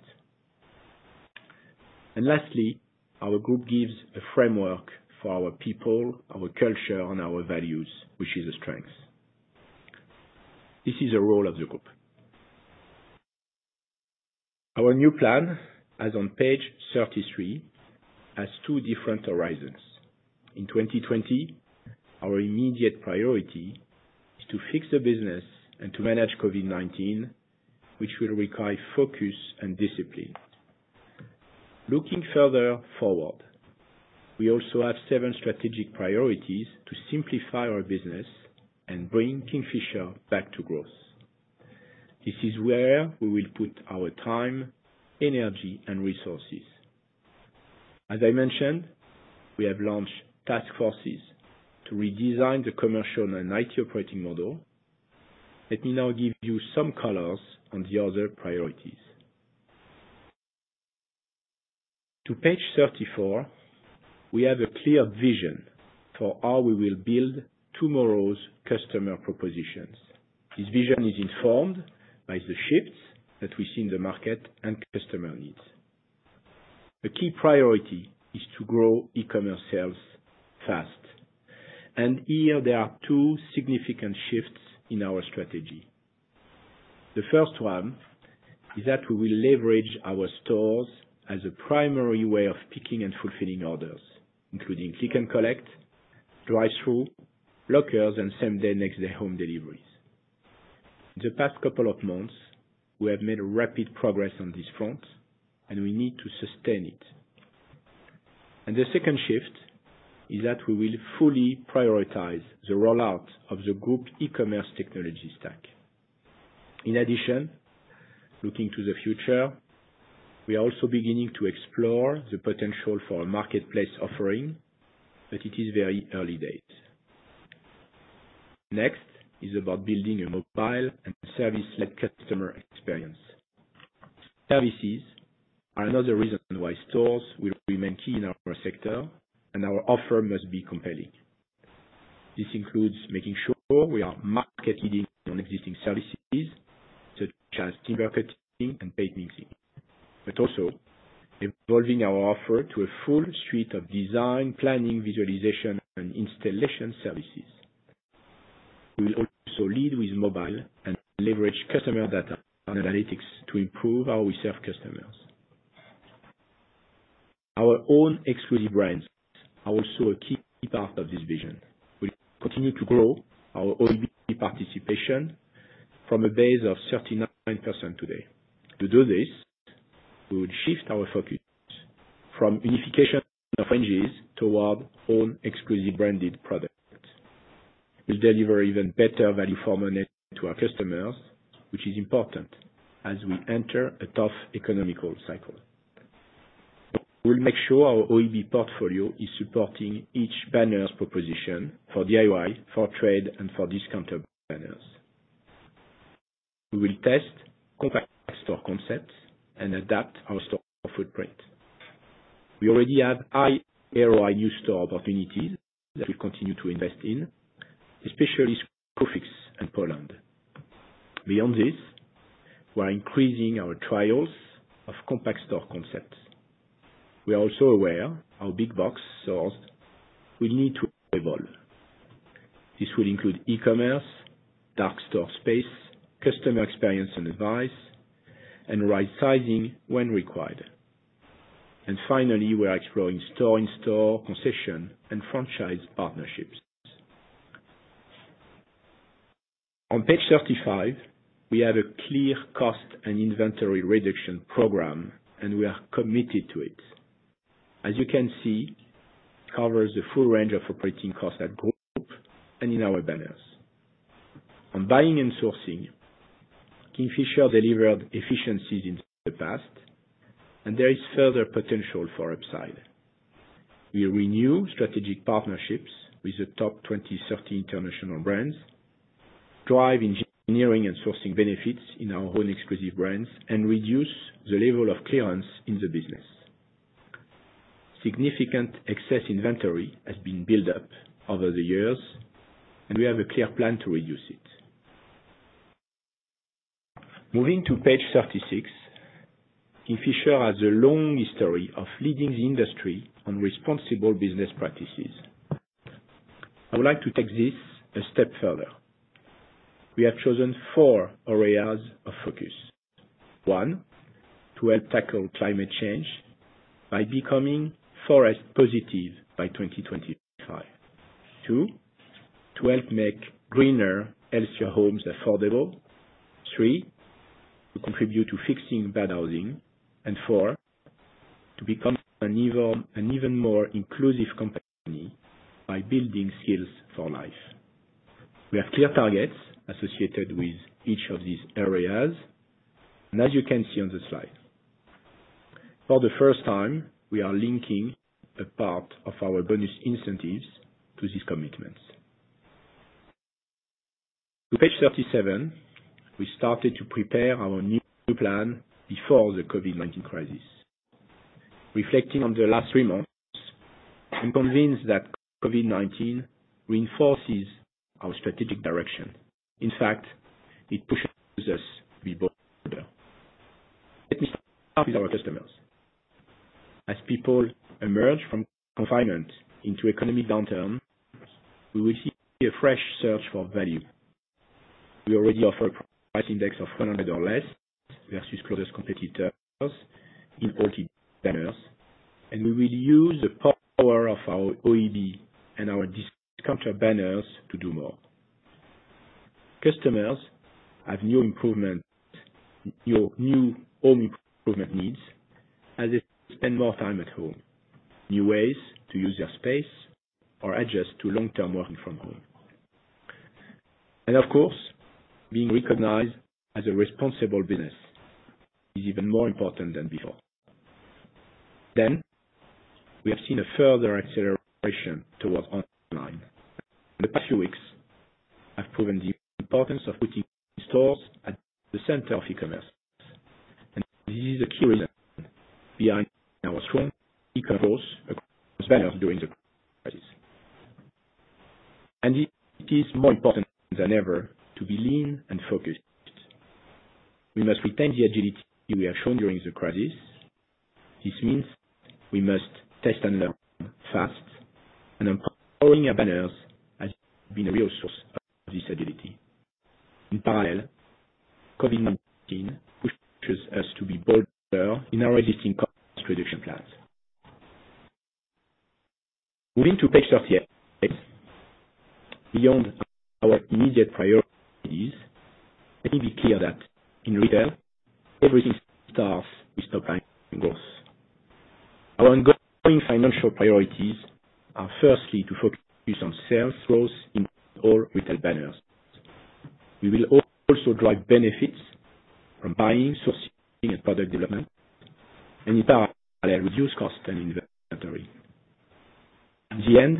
Lastly, our group gives a framework for our people, our culture, and our values, which is a strength. This is a role of the group. Our new plan, as on page 33, has two different horizons. In 2020, our immediate priority is to fix the business and to manage COVID-19, which will require focus and discipline. Looking further forward, we also have seven strategic priorities to simplify our business and bring Kingfisher back to growth. This is where we will put our time, energy, and resources. As I mentioned, we have launched task forces to redesign the commercial and IT operating model. Let me now give you some colors on the other priorities. To page 34, we have a clear vision for how we will build tomorrow's customer propositions. This vision is informed by the shifts that we see in the market and customer needs. A key priority is to grow e-commerce sales fast. Here there are two significant shifts in our strategy. The first one is that we will leverage our stores as a primary way of picking and fulfilling orders, including click and collect, drive-through, lockers, and same-day, next-day home deliveries. The past couple of months, we have made rapid progress on this front, and we need to sustain it. The second shift is that we will fully prioritize the rollout of the group e-commerce technology stack. In addition, looking to the future, we are also beginning to explore the potential for a marketplace offering, but it is very early days. Next is about building a mobile and service-led customer experience. Services are another reason why stores will remain key in our sector, and our offer must be compelling. This includes making sure we are market leading on existing services such as timber cutting and painting, but also evolving our offer to a full suite of design, planning, visualization, and installation services. We'll also lead with mobile and leverage customer data and analytics to improve how we serve customers. Our own exclusive brands are also a key part of this vision. We continue to grow our OEB participation from a base of 39% today. To do this, we would shift our focus from unification of ranges toward own exclusive branded products, which deliver even better value for money to our customers, which is important as we enter a tough economic cycle. We'll make sure our OEB portfolio is supporting each banner's proposition for DIY, for trade, and for discounter banners. We will test compact store concepts and adapt our store footprint. We already have high ROI new store opportunities that we continue to invest in, especially Screwfix in Poland. Beyond this, we are increasing our trials of compact store concepts. We are also aware our big box stores will need to evolve. This will include e-commerce, dark store space, customer experience and advice, and right sizing when required. Finally, we are exploring store-in-store concession and franchise partnerships. On page 35, we have a clear cost and inventory reduction program, and we are committed to it. As you can see, it covers the full range of operating costs at group and in our banners. On buying and sourcing, Kingfisher delivered efficiencies in the past, and there is further potential for upside. We renew strategic partnerships with the top 20, 30 international brands, drive engineering and sourcing benefits in our own exclusive brands, and reduce the level of clearance in the business. Significant excess inventory has been built up over the years, and we have a clear plan to reduce it. Moving to page 36, Kingfisher has a long history of leading the industry on responsible business practices. I would like to take this a step further. We have chosen four areas of focus. One, to help tackle climate change by becoming forest positive by 2025. Two, to help make greener, healthier homes affordable. Three, to contribute to fixing bad housing. Four, to become an even more inclusive company by building skills for life. We have clear targets associated with each of these areas, as you can see on the slide. For the first time, we are linking a part of our bonus incentives to these commitments. To page 37, we started to prepare our new plan before the COVID-19 crisis. Reflecting on the last three months, I'm convinced that COVID-19 reinforces our strategic direction. In fact, it pushes us to be bolder. Let me start with our customers. As people emerge from confinement into economic downturn, we will see a fresh search for value. We already offer a price index of 100 or less versus closest competitors in all key banners, and we will use the power of our OEB and our discounter banners to do more. Customers have new home improvement needs as they spend more time at home, new ways to use their space or adjust to long-term working from home. Of course, being recognized as a responsible business is even more important than before. We have seen a further acceleration towards online. The past few weeks have proven the importance of putting stores at the center of e-commerce, and this is a key reason behind our strong e-commerce across banners during the crisis. It is more important than ever to be lean and focused. We must retain the agility we have shown during the crisis. This means we must test and learn fast and empowering our banners has been a real source of this agility. In parallel, COVID-19 pushes us to be bolder in our existing cost reduction plans. Moving to page 38. Beyond our immediate priorities, let me be clear that in retail, everything starts with supply and growth. Our ongoing financial priorities are firstly to focus on sales growth in all retail banners. We will also drive benefits from buying, sourcing, and product development, and in parallel, reduce cost and inventory. At the end,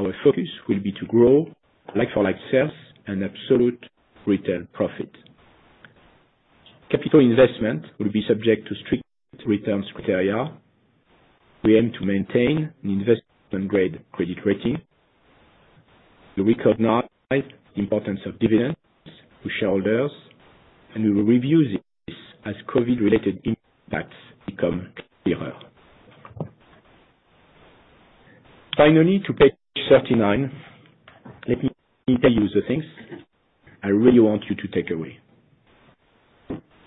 our focus will be to grow like-for-like sales and absolute retail profit. Capital investment will be subject to strict returns criteria. We aim to maintain an investment-grade credit rating. We recognize the importance of dividends to shareholders, and we will review this as COVID-related impacts become clearer. Finally, to page 39. Let me tell you the things I really want you to take away.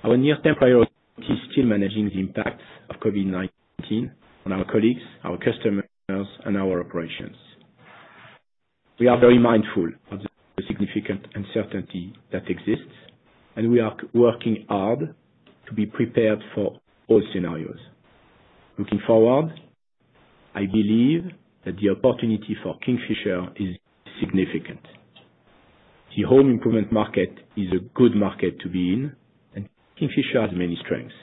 Our near-term priority is still managing the impact of COVID-19 on our colleagues, our customers, and our operations. We are very mindful of the significant uncertainty that exists, and we are working hard to be prepared for all scenarios. Looking forward, I believe that the opportunity for Kingfisher is significant. The home improvement market is a good market to be in, and Kingfisher has many strengths.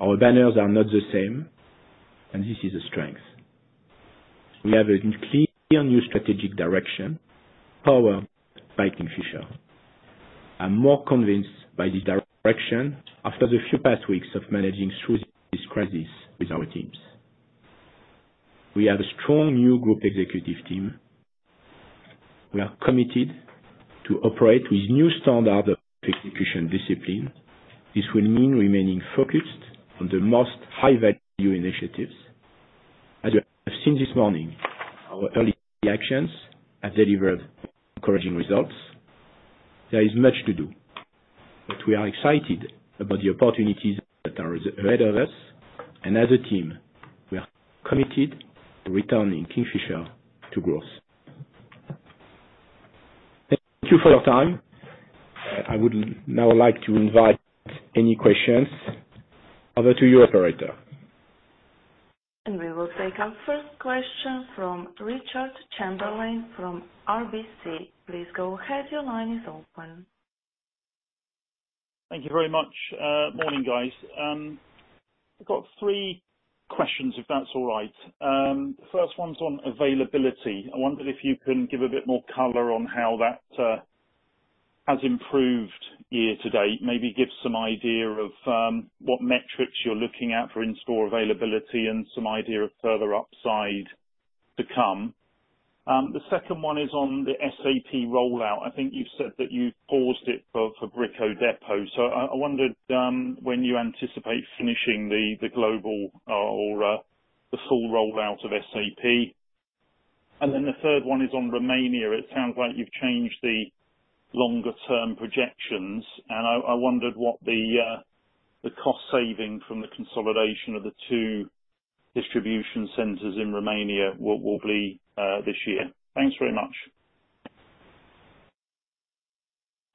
Our banners are not the same, and this is a strength. We have a clear new strategic direction, Powered by Kingfisher. I'm more convinced by the direction after the few past weeks of managing through this crisis with our teams. We have a strong new group executive team. We are committed to operate with new standard of execution discipline. This will mean remaining focused on the most high-value initiatives. As you have seen this morning, our early actions have delivered encouraging results. There is much to do, but we are excited about the opportunities that are ahead of us, and as a team, we are committed to returning Kingfisher to growth. Thank you for your time. I would now like to invite any questions. Over to you, operator. We will take our first question from Richard Chamberlain from RBC. Please go ahead. Your line is open. Thank you very much. Morning, guys. I've got three questions, if that's all right. First one's on availability. I wonder if you can give a bit more color on how that has improved year to date, maybe give some idea of what metrics you're looking at for in-store availability and some idea of further upside to come. The second one is on the SAP rollout. I think you said that you paused it for Brico Dépôt. I wondered when you anticipate finishing the global or the full rollout of SAP. The third one is on Romania. It sounds like you've changed the longer term projections, and I wondered what the cost saving from the consolidation of the two distribution centers in Romania will be this year. Thanks very much.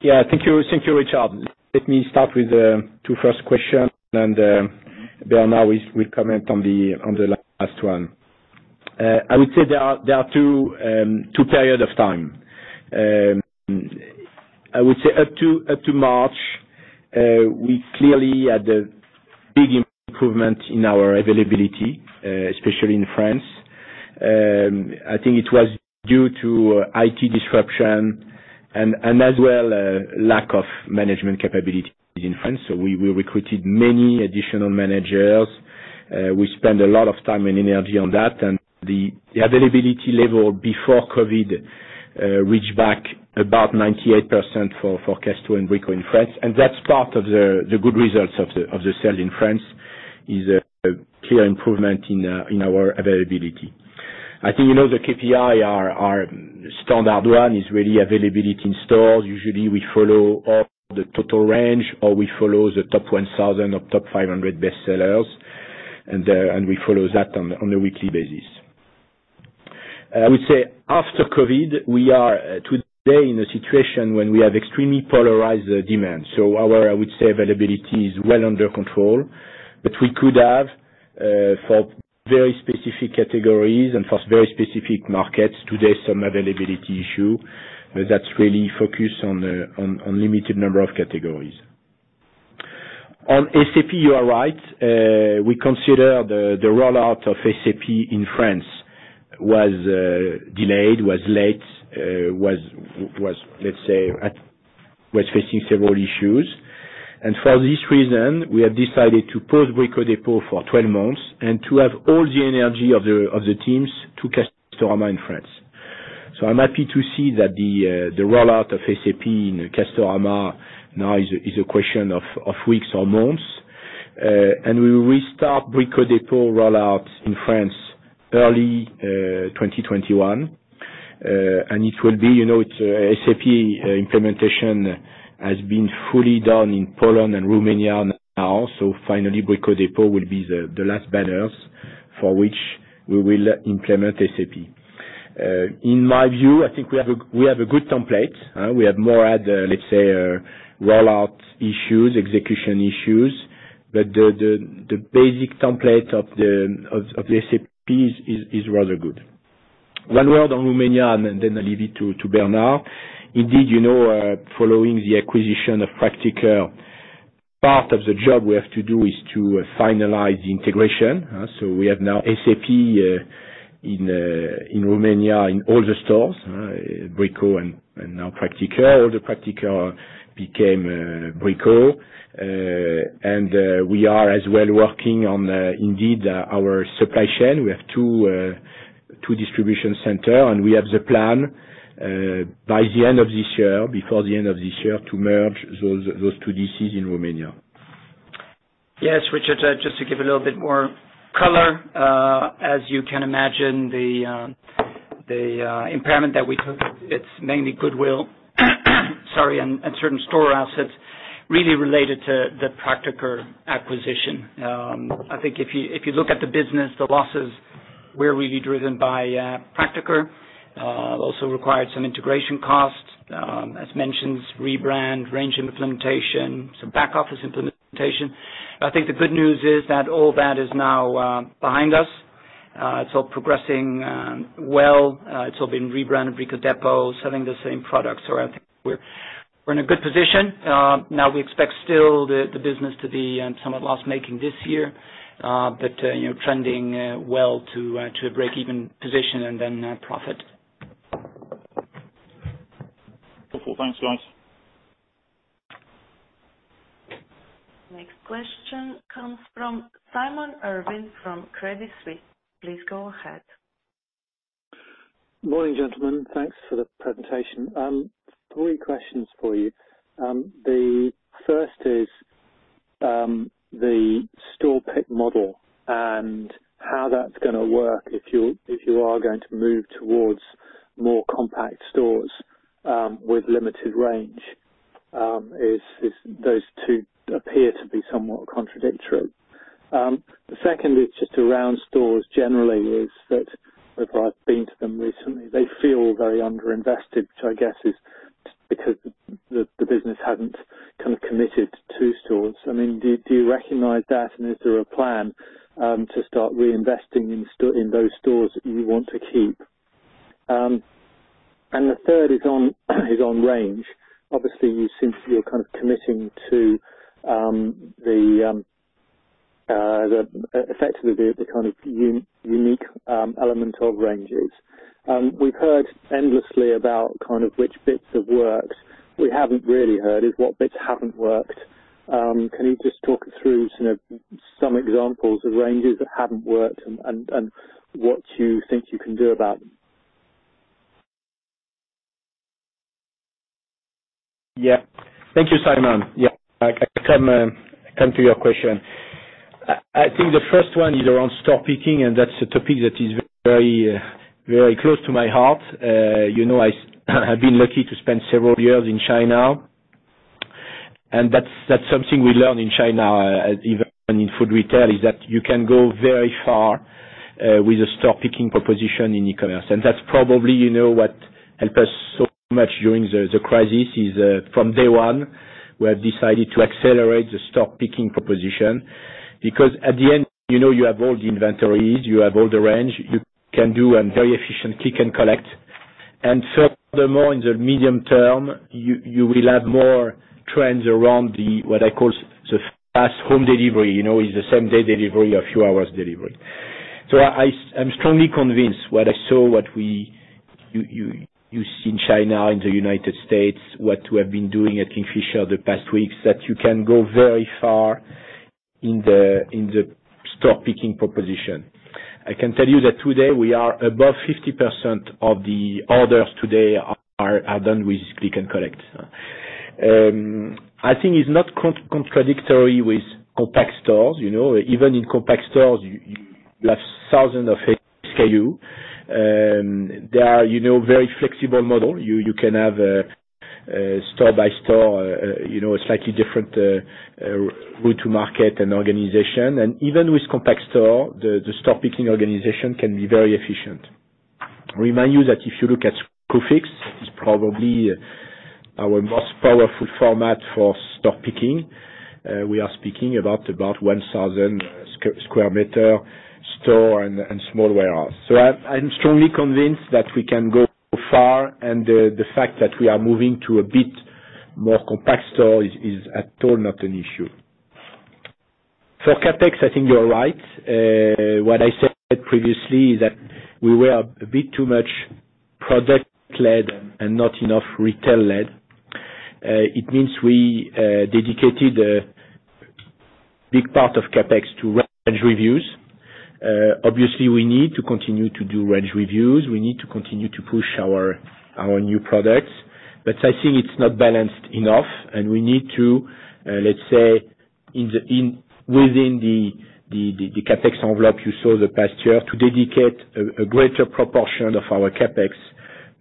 Yeah, thank you, Richard. Let me start with the two first question, and Bernard will comment on the last one. I would say there are two period of time. I would say up to March, we clearly had a big improvement in our availability, especially in France. I think it was due to IT disruption and as well, lack of management capabilities in France. We recruited many additional managers. We spent a lot of time and energy on that, and the availability level before COVID reached back about 98% for Casto and Brico in France. That's part of the good results of the sale in France, is a clear improvement in our availability. I think you know the KPI, our standard one is really availability in stores. Usually, we follow up the total range, or we follow the top 1,000 or top 500 best sellers, and we follow that on a weekly basis. I would say after COVID, we are today in a situation when we have extremely polarized demand. Our, I would say, availability is well under control, but we could have, for very specific categories and for very specific markets today, some availability issue that's really focused on limited number of categories. On SAP, you are right. We consider the rollout of SAP in France was delayed, was late, was, let's say, facing several issues. For this reason, we have decided to pause Brico Dépôt for 12 months and to have all the energy of the teams to Castorama in France. I'm happy to see that the rollout of SAP in Castorama now is a question of weeks or months. We will restart Brico Dépôt rollout in France early 2021. SAP implementation has been fully done in Poland and Romania now. Finally, Brico Dépôt will be the last banners for which we will implement SAP. In my view, I think we have a good template. We have more at the, let's say, rollout issues, execution issues, but the basic template of the SAP is rather good. One word on Romania, and then I'll leave it to Bernard. Indeed, following the acquisition of Praktiker, part of the job we have to do is to finalize the integration. We have now SAP in Romania in all the stores, Brico and now Praktiker. All the Praktiker became Brico. We are as well working on indeed our supply chain. We have two distribution center, and we have the plan before the end of this year, to merge those two DCs in Romania. Yes, Richard, just to give a little bit more color. As you can imagine, the impairment that we took, it's mainly goodwill and certain store assets really related to the Praktiker acquisition. I think if you look at the business, the losses were really driven by Praktiker. Also required some integration costs, as mentioned, rebrand, range implementation, some back office implementation. I think the good news is that all that is now behind us. It's all progressing well. It's all been rebranded Brico Dépôt, selling the same products. I think we're in a good position. Now we expect still the business to be somewhat loss-making this year, but trending well to a break-even position and then profit. Wonderful. Thanks, guys. Next question comes from Simon Irwin from Credit Suisse. Please go ahead. Morning, gentlemen. Thanks for the presentation. Three questions for you. The first is the store pick model and how that's going to work if you are going to move towards more compact stores with limited range, as those two appear to be somewhat contradictory. The second is just around stores generally, is that if I've been to them recently, they feel very under-invested, which I guess is because the business hadn't committed to stores. Do you recognize that, and is there a plan to start reinvesting in those stores that you want to keep? The third is on range. Obviously, you seem to be committing to the effect of the kind of unique element of ranges. We've heard endlessly about which bits have worked. We haven't really heard is what bits haven't worked. Can you just talk us through some examples of ranges that haven't worked and what you think you can do about them? Yeah. Thank you, Simon. Yeah, I can come to your question. I think the first one is around store picking, and that's a topic that is very close to my heart. I've been lucky to spend several years in China. That's something we learn in China, even in food retail, is that you can go very far with a store picking proposition in e-commerce. That's probably what helped us so much during the crisis is, from day one, we have decided to accelerate the store picking proposition because at the end, you have all the inventories, you have all the range, you can do a very efficient click and collect. Furthermore, in the medium term, you will have more trends around the, what I call the fast home delivery. It's the same day delivery or few hours delivery. I'm strongly convinced what I saw, what you see in China, in the United States, what we have been doing at Kingfisher the past weeks, that you can go very far in the store picking proposition. I can tell you that today we are above 50% of the orders today are done with click and collect. I think it's not contradictory with compact stores. Even in compact stores, you have thousands of SKU. They are very flexible model. You can have a store-by-store, a slightly different route to market and organization. Even with compact store, the store picking organization can be very efficient. Remind you that if you look at Screwfix, it's probably our most powerful format for store picking. We are speaking about 1,000 sq m store and small warehouse. I'm strongly convinced that we can go far, and the fact that we are moving to a bit more compact store is at all not an issue. For CapEx, I think you're right. What I said previously is that we were a bit too much product-led and not enough retail-led. It means we dedicated a big part of CapEx to range reviews. Obviously, we need to continue to do range reviews. We need to continue to push our new products. I think it's not balanced enough, and we need to, let's say, within the CapEx envelope you saw the past year, to dedicate a greater proportion of our CapEx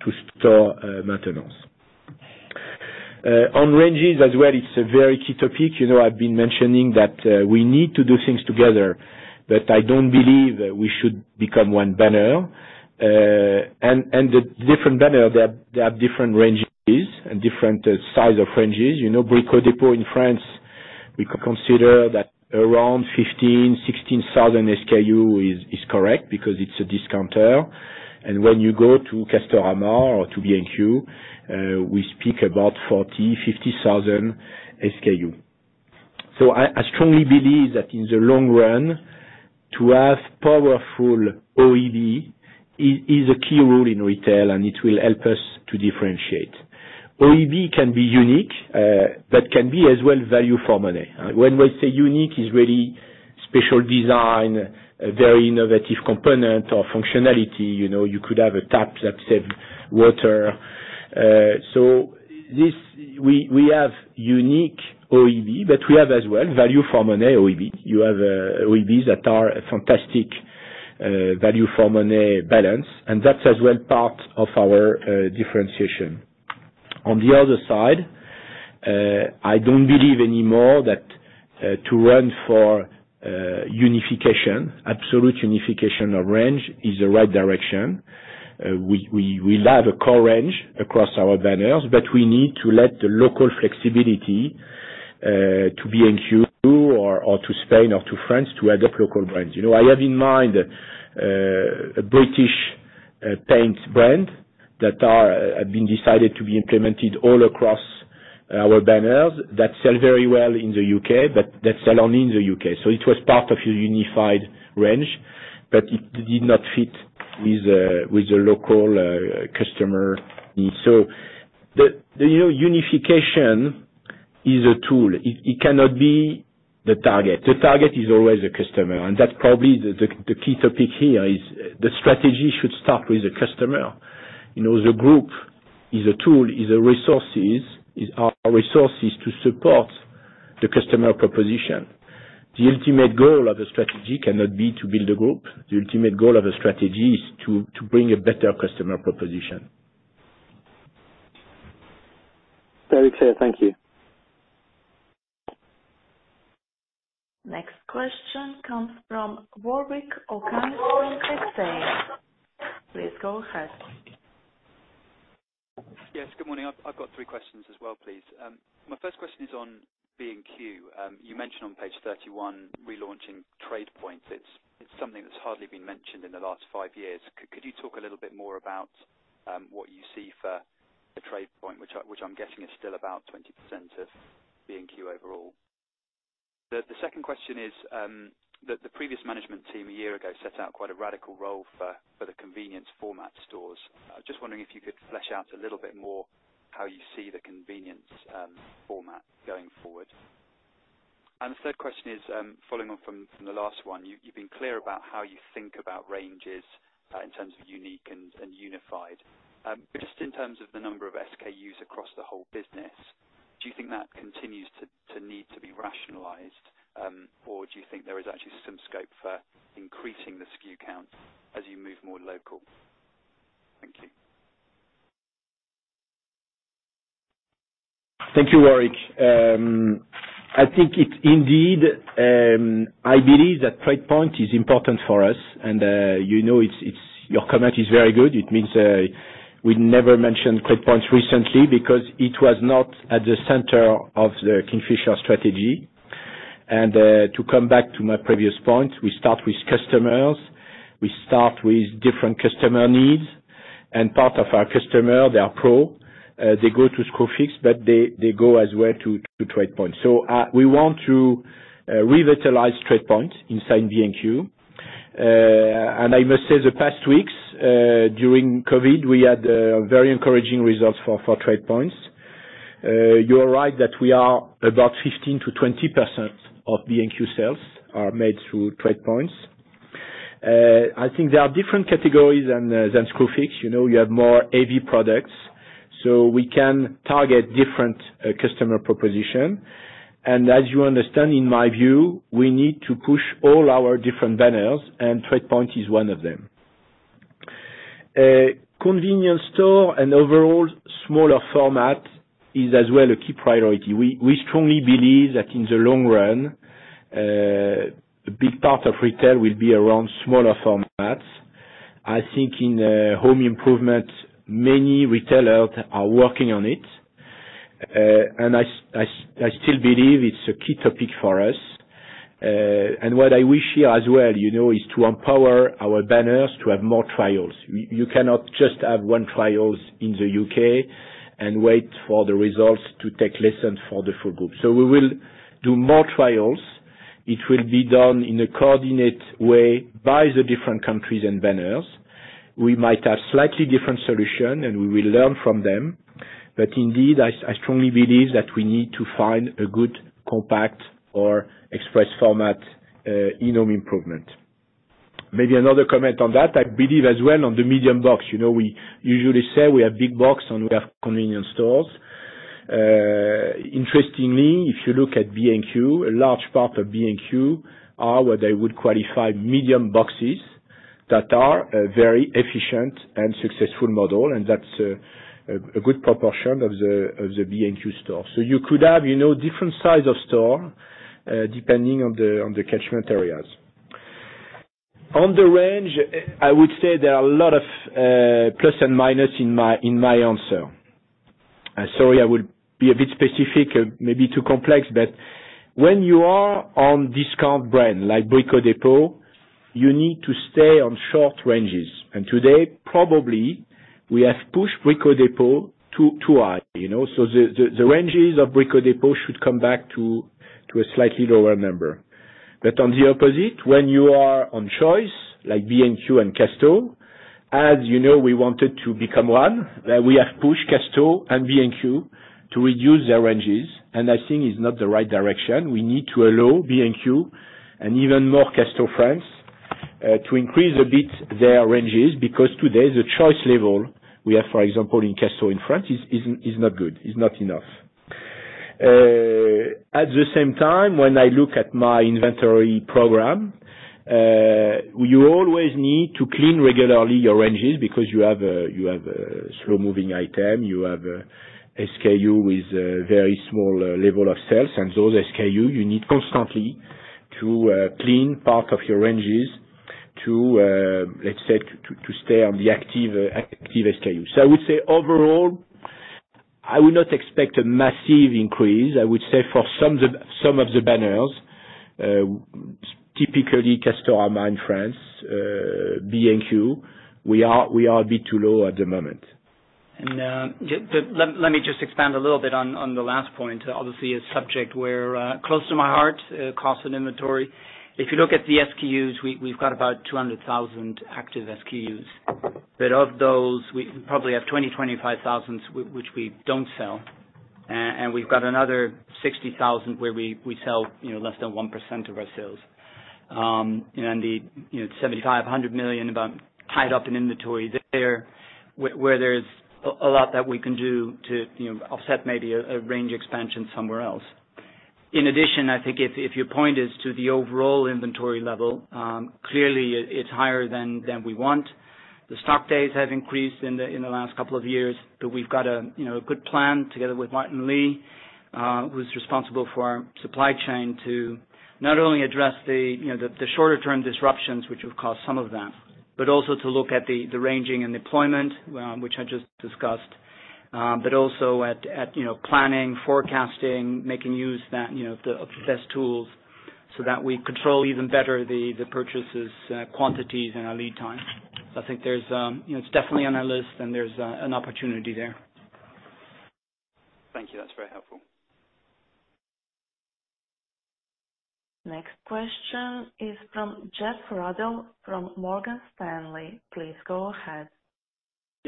to store maintenance. On ranges as well, it's a very key topic. I've been mentioning that we need to do things together, but I don't believe we should become one banner. The different banner, they have different ranges and different size of ranges. Brico Dépôt in France, we consider that around 15,000, 16,000 SKU is correct because it's a discounter. When you go to Castorama or to B&Q, we speak about 40,000, 50,000 SKU. I strongly believe that in the long run, to have powerful OEB is a key role in retail, and it will help us to differentiate. OEB can be unique, but can be as well value for money. When we say unique, it's really special design, a very innovative component or functionality. You could have a tap that save water. We have unique OEB, but we have as well value for money OEB. You have OEBs that are a fantastic value for money balance, and that's as well part of our differentiation. On the other side, I don't believe anymore that to run for unification, absolute unification of range is the right direction. We will have a core range across our banners, but we need to let the local flexibility to B&Q or to Spain or to France to adopt local brands. I have in mind a British paint brand that have been decided to be implemented all across our banners that sell very well in the U.K., but that sell only in the U.K. It was part of a unified range, but it did not fit with the local customer needs. Unification is a tool. It cannot be the target. The target is always the customer, and that's probably the key topic here, is the strategy should start with the customer. The group is a tool, is our resources to support the customer proposition. The ultimate goal of the strategy cannot be to build a group. The ultimate goal of a strategy is to bring a better customer proposition. Very clear. Thank you. Next question comes from Warwick Okines from Exane. Please go ahead. Yes, good morning. I've got three questions as well, please. My first question is on B&Q. You mentioned on page 31, relaunching TradePoint. It's something that's hardly been mentioned in the last five years. Could you talk a little bit more about what you see for the TradePoint, which I'm guessing is still about 20% of B&Q overall? The second question is that the previous management team a year ago set out quite a radical role for the convenience format stores. I was just wondering if you could flesh out a little bit more how you see the convenience format going forward. The third question is following on from the last one. You've been clear about how you think about ranges in terms of unique and unified. Just in terms of the number of SKUs across the whole business, do you think that continues to need to be rationalized, or do you think there is actually some scope for increasing the SKU count as you move more local? Thank you. Thank you, Warwick. I believe that TradePoint is important for us, and your comment is very good. It means we never mentioned TradePoint recently because it was not at the center of the Kingfisher strategy. To come back to my previous point, we start with customers. We start with different customer needs. Part of our customer, they are pro. They go to Screwfix, but they go as well to TradePoint. We want to revitalize TradePoint inside B&Q. I must say, the past weeks, during COVID, we had very encouraging results for TradePoints. You are right that we are about 15%-20% of B&Q sales are made through TradePoints. I think there are different categories than Screwfix. You have more heavy products, so we can target different customer proposition. As you understand, in my view, we need to push all our different banners, and TradePoint is one of them. Convenience store and overall smaller format is as well a key priority. We strongly believe that in the long run, a big part of retail will be around smaller formats. I think in home improvement, many retailers are working on it. I still believe it's a key topic for us. What I wish here as well is to empower our banners to have more trials. You cannot just have one trials in the U.K. and wait for the results to take lessons for the full group. We will do more trials. It will be done in a coordinated way by the different countries and banners. We might have slightly different solution, and we will learn from them. Indeed, I strongly believe that we need to find a good compact or express format in home improvement. Another comment on that, I believe as well on the medium box. We usually say we have big box, and we have convenience stores. Interestingly, if you look at B&Q, a large part of B&Q are what I would qualify medium boxes that are a very efficient and successful model, and that's a good proportion of the B&Q store. You could have different size of store, depending on the catchment areas. On the range, I would say there are a lot of plus and minus in my answer. Sorry, I will be a bit specific, maybe too complex, but when you are on discount brand like Brico Dépôt, you need to stay on short ranges. Today, probably, we have pushed Brico Dépôt too high. The ranges of Brico Dépôt should come back to a slightly lower number. On the opposite, when you are on choice, like B&Q and Casto, as you know, we wanted to become one, that we have pushed Casto and B&Q to reduce their ranges, and I think it's not the right direction. We need to allow B&Q and even more Casto France to increase a bit their ranges, because today, the choice level we have, for example, in Casto in France is not good, is not enough. At the same time, when I look at my inventory program, you always need to clean regularly your ranges because you have a slow-moving item, you have a SKU with a very small level of sales. Those SKU, you need constantly to clean part of your ranges to, let's say, to stay on the active SKU. I would say overall, I would not expect a massive increase. I would say for some of the banners, typically Castorama in France, B&Q, we are a bit too low at the moment. Let me just expand a little bit on the last point. Obviously, a subject close to my heart, cost and inventory. If you look at the SKUs, we've got about 200,000 active SKUs. Of those, we probably have 20,000-25,000 which we don't sell. We've got another 60,000 where we sell less than 1% of our sales. Indeed, 75 million-100 million about tied up in inventory there, where there's a lot that we can do to offset maybe a range expansion somewhere else. In addition, I think if your point is to the overall inventory level, clearly it's higher than we want. The stock days have increased in the last couple of years. We've got a good plan together with Martin Lee, who's responsible for our supply chain, to not only address the shorter-term disruptions which have caused some of that, but also to look at the ranging and deployment, which I just discussed. Also at planning, forecasting, making use of the best tools so that we control even better the purchases quantities and our lead time. I think it's definitely on our list and there's an opportunity there. Thank you. That's very helpful. Next question is from Geoff Ruddell from Morgan Stanley. Please go ahead.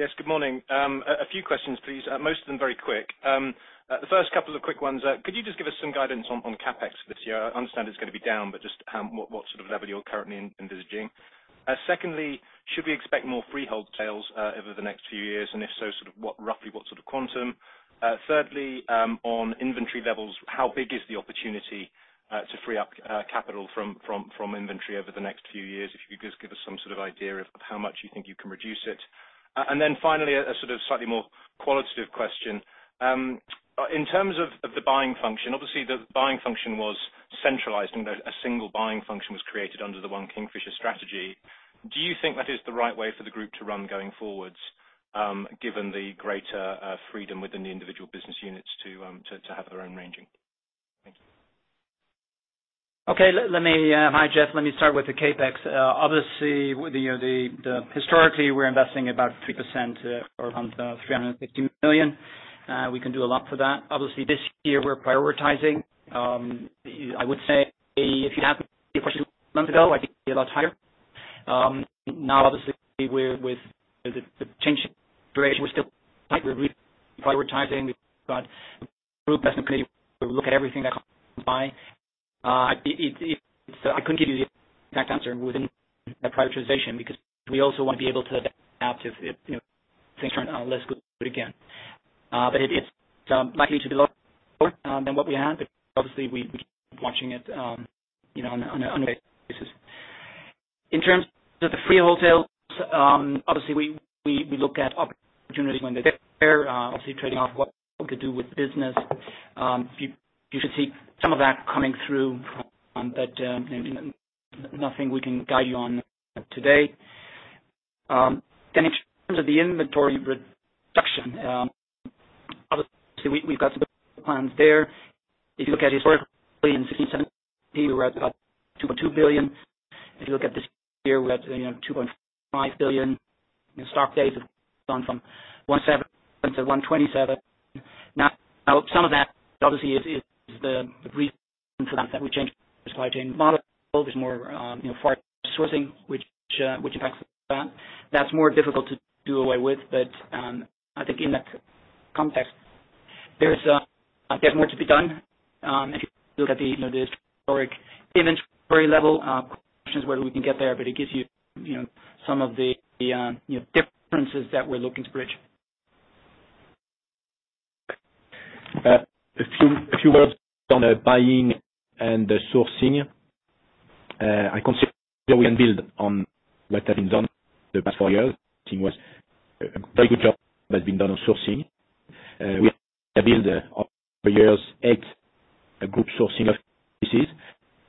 Yes, good morning. A few questions, please. Most of them very quick. The first couple of quick ones, could you just give us some guidance on CapEx for this year? I understand it's going to be down, but just what sort of level you're currently envisaging. Secondly, should we expect more freehold sales over the next few years? If so, roughly what sort of quantum? Thirdly, on inventory levels, how big is the opportunity to free up capital from inventory over the next few years? If you could just give us some sort of idea of how much you think you can reduce it. Finally, a sort of slightly more qualitative question. In terms of the buying function, obviously the buying function was centralized and a single buying function was created under the One Kingfisher strategy. Do you think that is the right way for the group to run going forwards, given the greater freedom within the individual business units to have their own ranging? Thank you. Okay. Hi, Geoff. Let me start with the CapEx. Historically, we're investing about 3% or around 350 million. We can do a lot for that. This year we're prioritizing. I would say if you ask me a question a month ago, I'd be a lot higher. With the change duration, we're still prioritizing. We've got group investment committee to look at everything that comes by. I couldn't give you the exact answer within that prioritization because we also want to be able to adapt if things turn less good again. It is likely to be lower than what we had, but obviously, we keep watching it on a regular basis. In terms of the freehold sales, obviously, we look at opportunities when they get there, obviously trading off what to do with the business. You should see some of that coming through, but nothing we can guide you on today. In terms of the inventory reduction, obviously, we've got some plans there. If you look at historically in 2016, 2017, we were at about 2.2 billion. If you look at this year, we're at 2.5 billion in stock days have gone from 107 to 127. Now, some of that obviously is the reason for that we changed the supply chain model. There's more far sourcing, which impacts that. That's more difficult to do away with. I think in that context, there's more to be done. If you look at the historic inventory level, questions whether we can get there, but it gives you some of the differences that we're looking to bridge. A few words on the buying and the sourcing. I consider we can build on what has been done the past four years. I think a very good job has been done on sourcing. We have built over years eight group sourcing offices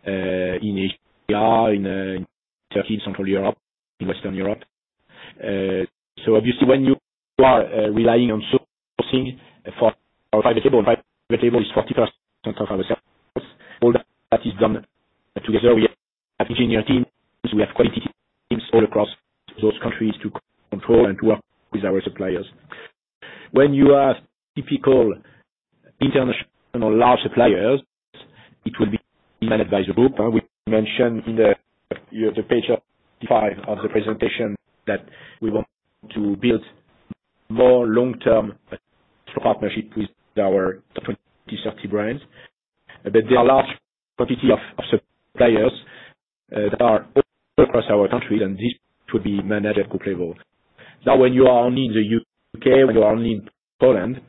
in Asia, in Turkey, in Central Europe, in Western Europe. Obviously, when you are relying on sourcing for our private label, and private label is 40% of our sales. All that is done together. We have engineering teams. We have quality teams all across those countries to control and to work with our suppliers. When you ask typical international large suppliers, it will be managed by the group. We mentioned in the page 35 of the presentation that we want to build more long-term partnership with our top 20, 30 brands. There are large quantity of suppliers that are all across our country, and this could be managed at group level. When you are only in the U.K., when you are only in Poland,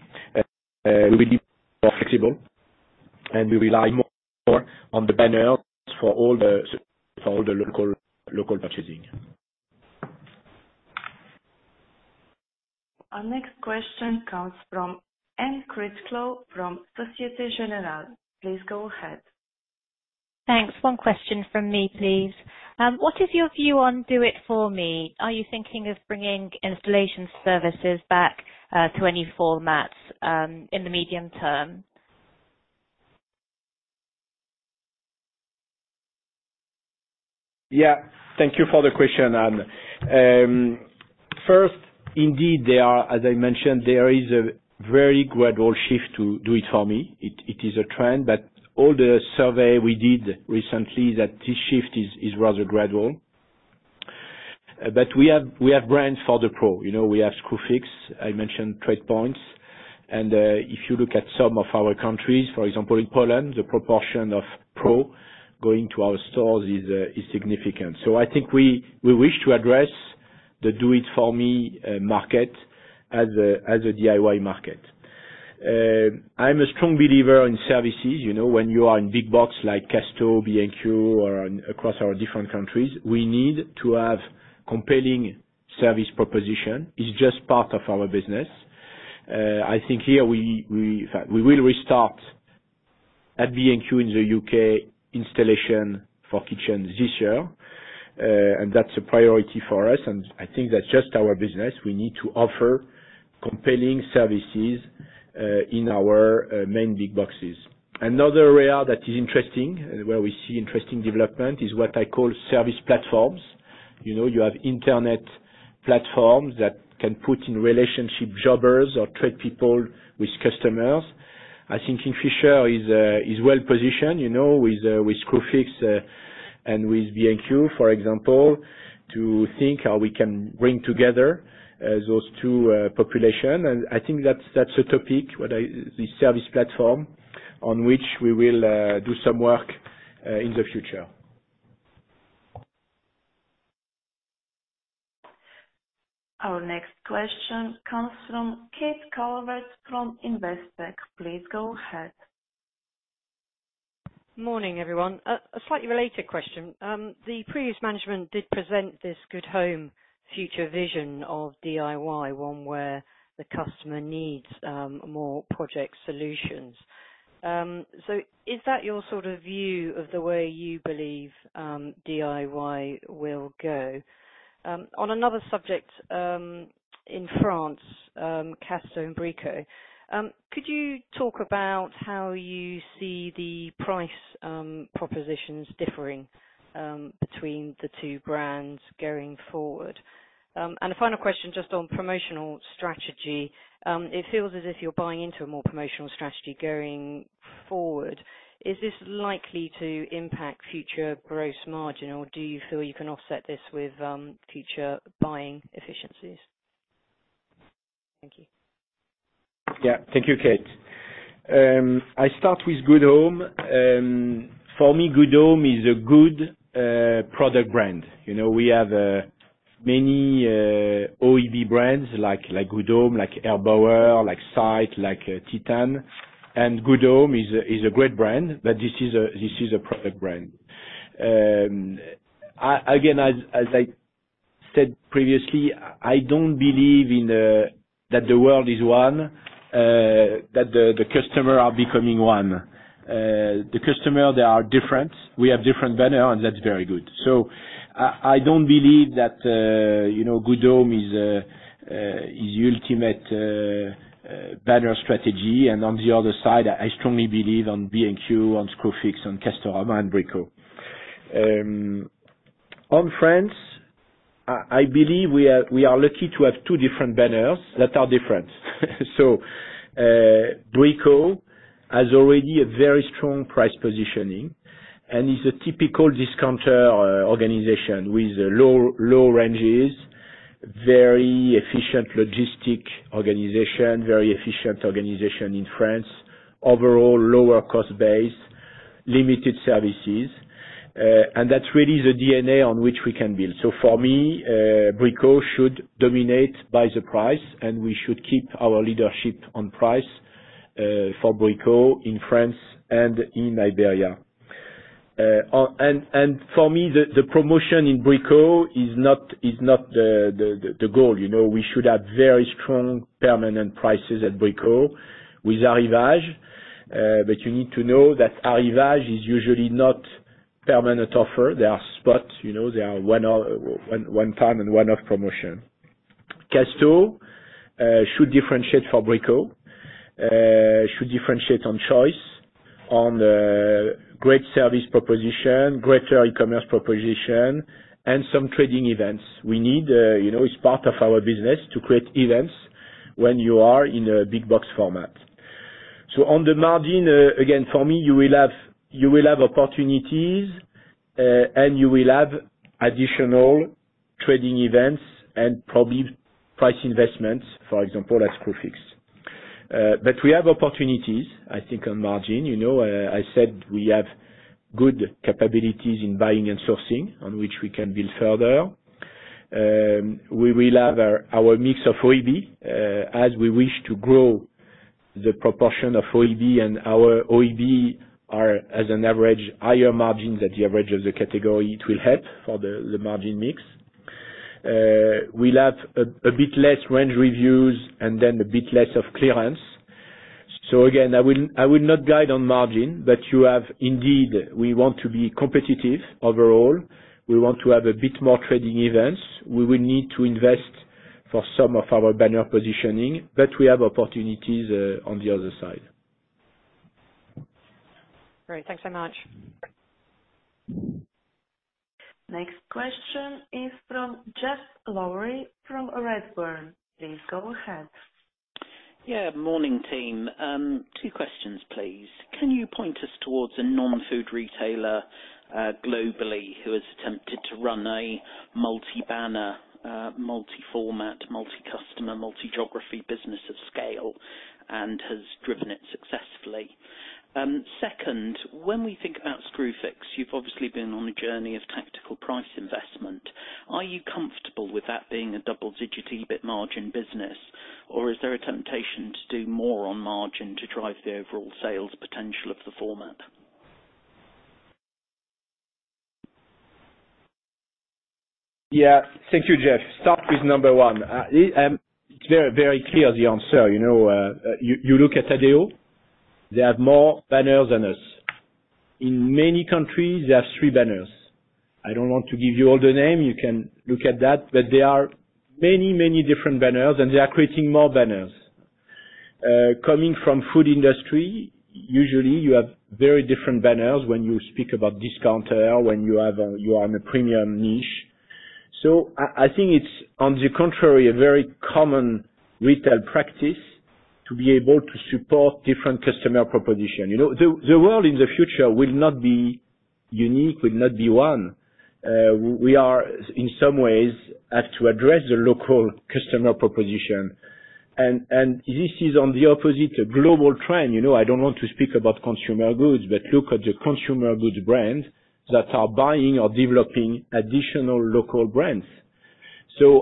we will be more flexible, and we rely more on the banners for all the local purchasing. Our next question comes from Anne Critchlow from Societe Generale. Please go ahead. Thanks. One question from me, please. What is your view on do it for me? Are you thinking of bringing installation services back to any formats in the medium term? Thank you for the question, Anne. First, indeed, as I mentioned, there is a very gradual shift to do it for me. It is a trend, all the survey we did recently that this shift is rather gradual. We have brands for the pro. We have Screwfix. I mentioned TradePoint. If you look at some of our countries, for example, in Poland, the proportion of pro going to our stores is significant. I think we wish to address the do it for me market as a DIY market. I'm a strong believer in services. When you are in big box like Castorama, B&Q, or across our different countries, we need to have compelling service proposition. It's just part of our business. I think here we will restart at B&Q in the U.K. installation for kitchen this year, and that's a priority for us, and I think that's just our business. We need to offer compelling services, in our main big boxes. Another area that is interesting and where we see interesting development is what I call service platforms. You have Internet platforms that can put in relationship tradespeople with customers. I think Kingfisher is well-positioned, with Screwfix, and with B&Q, for example, to think how we can bring together those two population. I think that's a topic, the service platform, on which we will do some work in the future. Our next question comes from Kate Calvert from Investec. Please go ahead. Morning, everyone. A slightly related question. The previous management did present this GoodHome future vision of DIY, one where the customer needs more project solutions. Is that your sort of view of the way you believe DIY will go? On another subject, in France, Casto and Brico. Could you talk about how you see the price propositions differing between the two brands going forward? A final question just on promotional strategy. It feels as if you're buying into a more promotional strategy going forward. Is this likely to impact future gross margin, or do you feel you can offset this with future buying efficiencies? Thank you. Yeah. Thank you, Kate. I start with GoodHome. For me, GoodHome is a good product brand. We have many OEB brands like GoodHome, like Erbauer, like SITE, like TITAN, and GoodHome is a great brand, but this is a product brand. Again, as I said previously, I don't believe that the world is one, that the customer are becoming one. The customer, they are different. We have different banner, and that's very good. I don't believe that GoodHome is the ultimate banner strategy. On the other side, I strongly believe on B&Q, on Screwfix, on Castorama, and Brico. On France, I believe we are lucky to have two different banners that are different. Brico has already a very strong price positioning and is a typical discounter organization with low ranges, very efficient logistic organization, very efficient organization in France, overall lower cost base, limited services. That's really the DNA on which we can build. For me, Brico should dominate by the price, and we should keep our leadership on price for Brico in France and in Iberia. For me, the promotion in Brico is not the goal. We should have very strong permanent prices at Brico with arrivage. You need to know that arrivage is usually not permanent offer. They are spots, they are one-time and one-off promotion. Casto should differentiate for Brico, should differentiate on choice, on great service proposition, greater e-commerce proposition, and some trading events. We need, it's part of our business to create events when you are in a big box format. On the margin, again, for me, you will have opportunities, and you will have additional trading events and probably price investments, for example, at Screwfix. We have opportunities, I think, on margin. I said we have good capabilities in buying and sourcing, on which we can build further. We will have our mix of OEB as we wish to grow the proportion of OEB, and our OEB are, as an average, higher margin than the average of the category. It will help for the margin mix. We'll have a bit less range reviews and then a bit less of clearance. Again, I will not guide on margin, but you have indeed, we want to be competitive overall. We want to have a bit more trading events. We will need to invest for some of our banner positioning, but we have opportunities on the other side. Great. Thanks so much. Next question is from Geoff Lowery from Redburn. Please go ahead. Yeah. Morning, team. Two questions, please. Can you point us towards a non-food retailer globally who has attempted to run a multi-banner, multi-format, multi-customer, multi-geography business at scale and has driven it successfully? Second, when we think about Screwfix, you've obviously been on a journey of tactical price investment. Are you comfortable with that being a double-digit EBIT margin business, or is there a temptation to do more on margin to drive the overall sales potential of the format? Yeah. Thank you, Geoff. Start with number one. It's very clear, the answer. You look at ADEO, they have more banners than us. In many countries, they have three banners. I don't want to give you all the name. You can look at that. There are many, many different banners, and they are creating more banners. Coming from food industry, usually you have very different banners when you speak about discounter, when you are on a premium niche. I think it's, on the contrary, a very common retail practice to be able to support different customer proposition. The world in the future will not be unique, will not be one. We are, in some ways, have to address the local customer proposition. This is on the opposite, a global trend. I don't want to speak about consumer goods, but look at the consumer goods brands that are buying or developing additional local brands.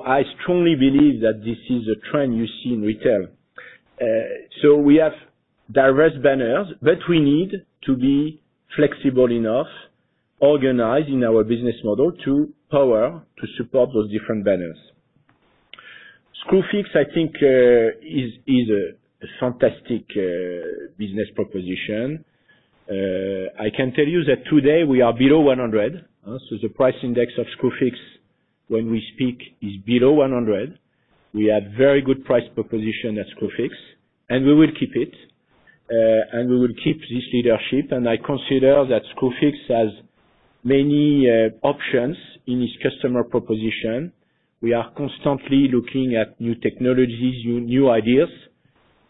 I strongly believe that this is a trend you see in retail. We have diverse banners, but we need to be flexible enough, organized in our business model to power, to support those different banners. Screwfix, I think, is a fantastic business proposition. I can tell you that today we are below 100. The price index of Screwfix when we speak is below 100. We have very good price proposition at Screwfix, and we will keep it, and we will keep this leadership. I consider that Screwfix has many options in its customer proposition. We are constantly looking at new technologies, new ideas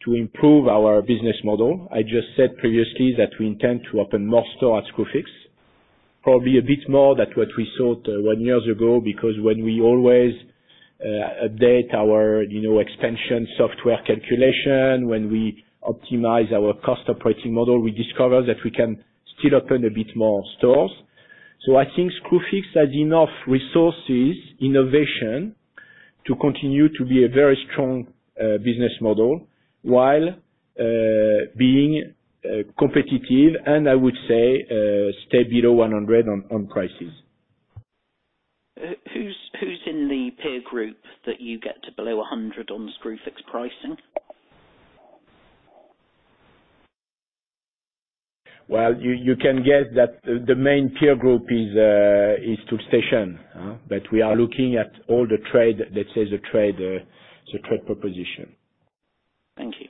to improve our business model. I just said previously that we intend to open more store at Screwfix, probably a bit more than what we thought one year ago, because when we always update our expansion software calculation, when we optimize our cost operating model, we discover that we can still open a bit more stores. I think Screwfix has enough resources, innovation to continue to be a very strong business model while being competitive and, I would say, stay below 100 on prices. Who's in the peer group that you get to below 100 on Screwfix pricing? Well, you can guess that the main peer group is Toolstation. We are looking at all the trade that says a trade proposition. Thank you.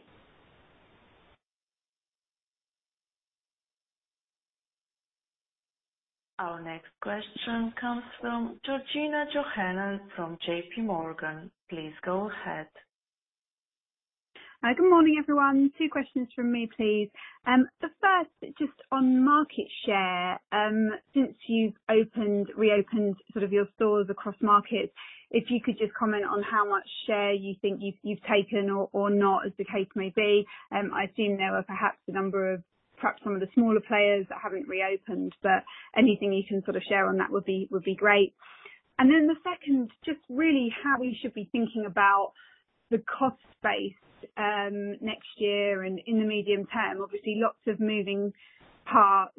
Our next question comes from Georgina Johanan from JPMorgan. Please go ahead. Good morning, everyone. Two questions from me, please. The first, just on market share. Since you've reopened your stores across markets, if you could just comment on how much share you think you've taken or not, as the case may be. I assume there are perhaps a number of, perhaps some of the smaller players that haven't reopened, anything you can share on that would be great. The second, just really how we should be thinking about the cost base next year and in the medium term, obviously lots of moving parts.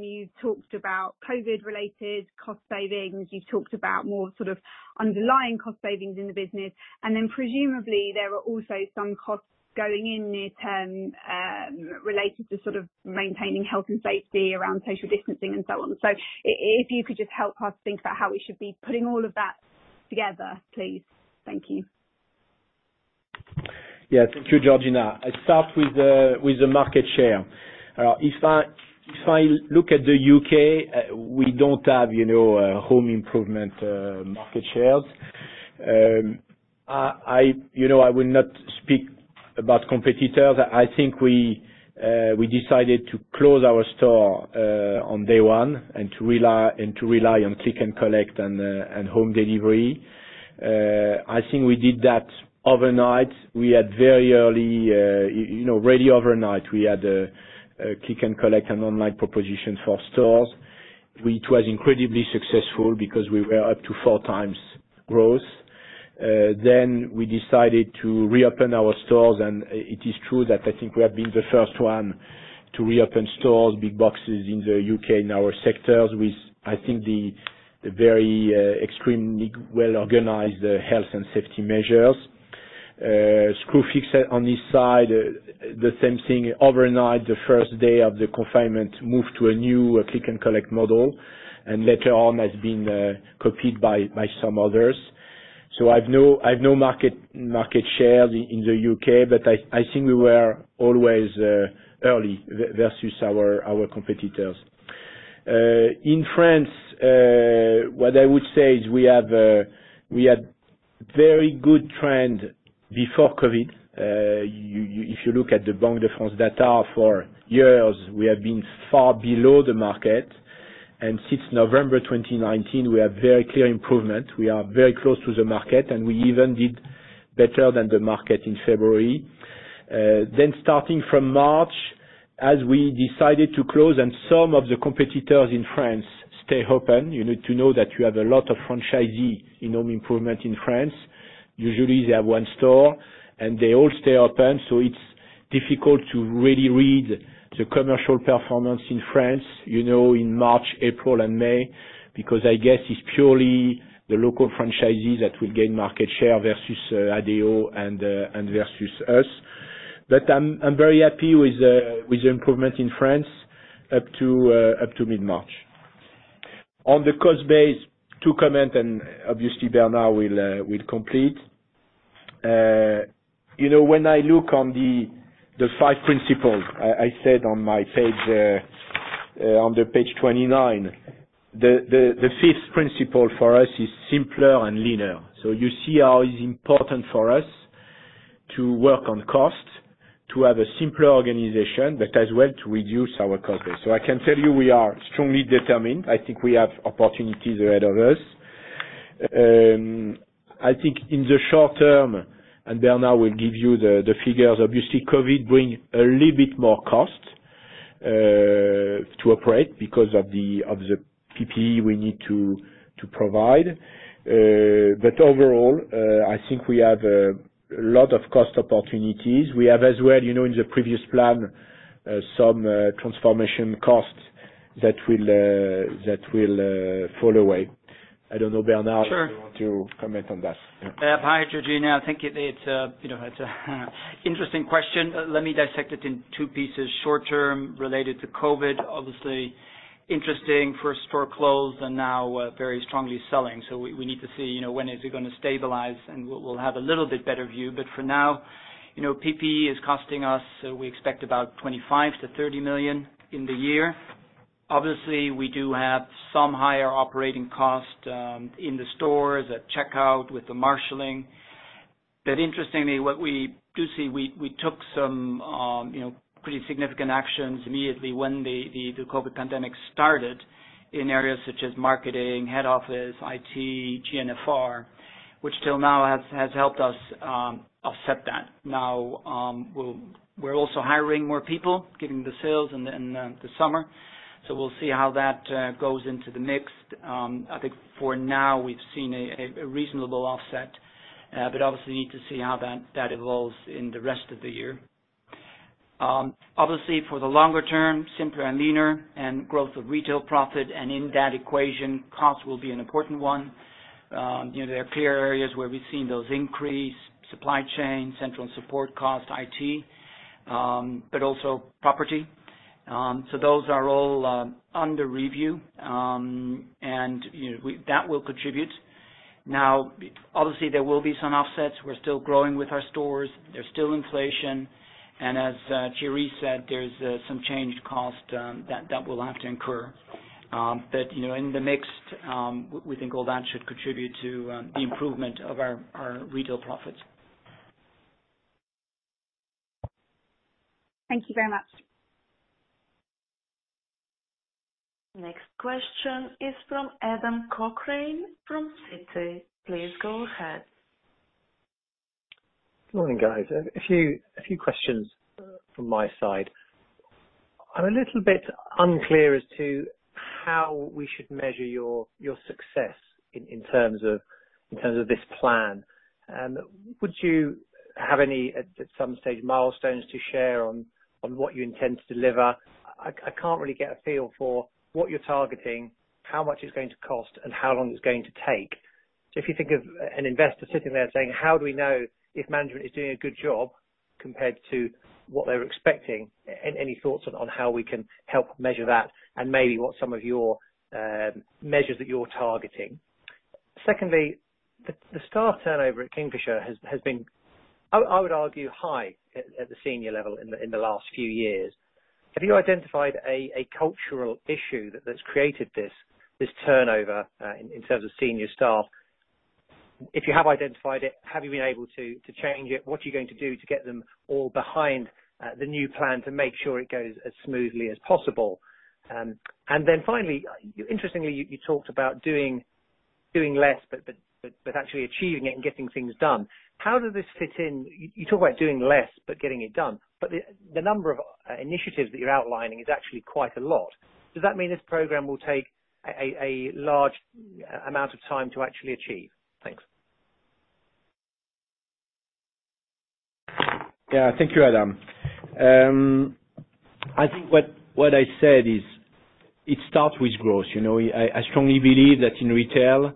You talked about COVID-related cost savings. You talked about more underlying cost savings in the business, and then presumably, there are also some costs going in near term related to maintaining health and safety around social distancing and so on. If you could just help us think about how we should be putting all of that together, please. Thank you. Yeah. Thank you, Georgina. I start with the market share. If I look at the U.K., we don't have home improvement market shares. I will not speak about competitors. I think we decided to close our store on day one and to rely on click and collect and home delivery. I think we did that overnight. Really overnight, we had a click and collect and online proposition for stores, which was incredibly successful because we were up to four times growth. We decided to reopen our stores, and it is true that I think we have been the first one to reopen stores, big boxes in the U.K., in our sectors, with, I think, the very extremely well-organized health and safety measures. Screwfix on this side, the same thing. Overnight, the first day of the confinement moved to a new click and collect model. Later on has been copied by some others. I've no market shares in the U.K. I think we were always early versus our competitors. In France, what I would say is we had very good trend before COVID. If you look at the Banque de France data for years, we have been far below the market. Since November 2019, we have very clear improvement. We are very close to the market. We even did better than the market in February. Starting from March, as we decided to close and some of the competitors in France stay open, you need to know that you have a lot of franchisee in home improvement in France. Usually, they have one store, and they all stay open. It's difficult to really read the commercial performance in France in March, April, and May because I guess it's purely the local franchises that will gain market share versus ADEO and versus us. I'm very happy with the improvement in France up to mid-March. On the cost base, two comment. Obviously Bernard will complete. When I look on the five principles, I said on page 29, the fifth principle for us is simpler and leaner. You see how it's important for us to work on cost, to have a simpler organization, but as well to reduce our cost base. I can tell you we are strongly determined. I think we have opportunities ahead of us. I think in the short term, and Bernard will give you the figures, obviously COVID bring a little bit more cost to operate because of the PPE we need to provide. Overall, I think we have a lot of cost opportunities. We have as well in the previous plan, some transformation costs that will fall away. I don't know, Bernard. Sure. If you want to comment on that. Hi, Georgina. I think it's interesting question. Let me dissect it in two pieces. Short term related to COVID, obviously interesting for store closed and now very strongly selling. We need to see when is it going to stabilize, and we'll have a little bit better view. For now, PPE is costing us, we expect about 25 million-30 million in the year. We do have some higher operating costs in the stores at checkout with the marshaling. Interestingly, what we do see, we took some pretty significant actions immediately when the COVID pandemic started in areas such as marketing, head office, IT, GNFR, which till now has helped us offset that. We're also hiring more people, given the sales and the summer. We'll see how that goes into the mix. I think for now, we've seen a reasonable offset, but obviously need to see how that evolves in the rest of the year. For the longer term, simpler and leaner and growth of retail profit and in that equation, cost will be an important one. There are clear areas where we've seen those increase, supply chain, central support cost, IT, but also property. Those are all under review. That will contribute. There will be some offsets. We're still growing with our stores. There's still inflation. As Thierry said, there's some change cost that will have to incur. In the mix, we think all that should contribute to the improvement of our retail profits. Thank you very much. Next question is from Adam Cochrane from Citi. Please go ahead. Morning, guys. A few questions from my side. I'm a little bit unclear as to how we should measure your success in terms of this plan. Would you have any, at some stage, milestones to share on what you intend to deliver? I can't really get a feel for what you're targeting, how much it's going to cost, and how long it's going to take. If you think of an investor sitting there saying, how do we know if management is doing a good job compared to what they were expecting? Any thoughts on how we can help measure that, and maybe what some of your measures that you're targeting? Secondly, the staff turnover at Kingfisher has been, I would argue, high at the senior level in the last few years. Have you identified a cultural issue that's created this turnover in terms of senior staff? If you have identified it, have you been able to change it? What are you going to do to get them all behind the new plan to make sure it goes as smoothly as possible? Finally, interestingly, you talked about doing less, but actually achieving it and getting things done. How does this fit in? You talk about doing less but getting it done, but the number of initiatives that you're outlining is actually quite a lot. Does that mean this program will take a large amount of time to actually achieve? Thanks. Thank you, Adam. I think what I said is it starts with growth. I strongly believe that in retail,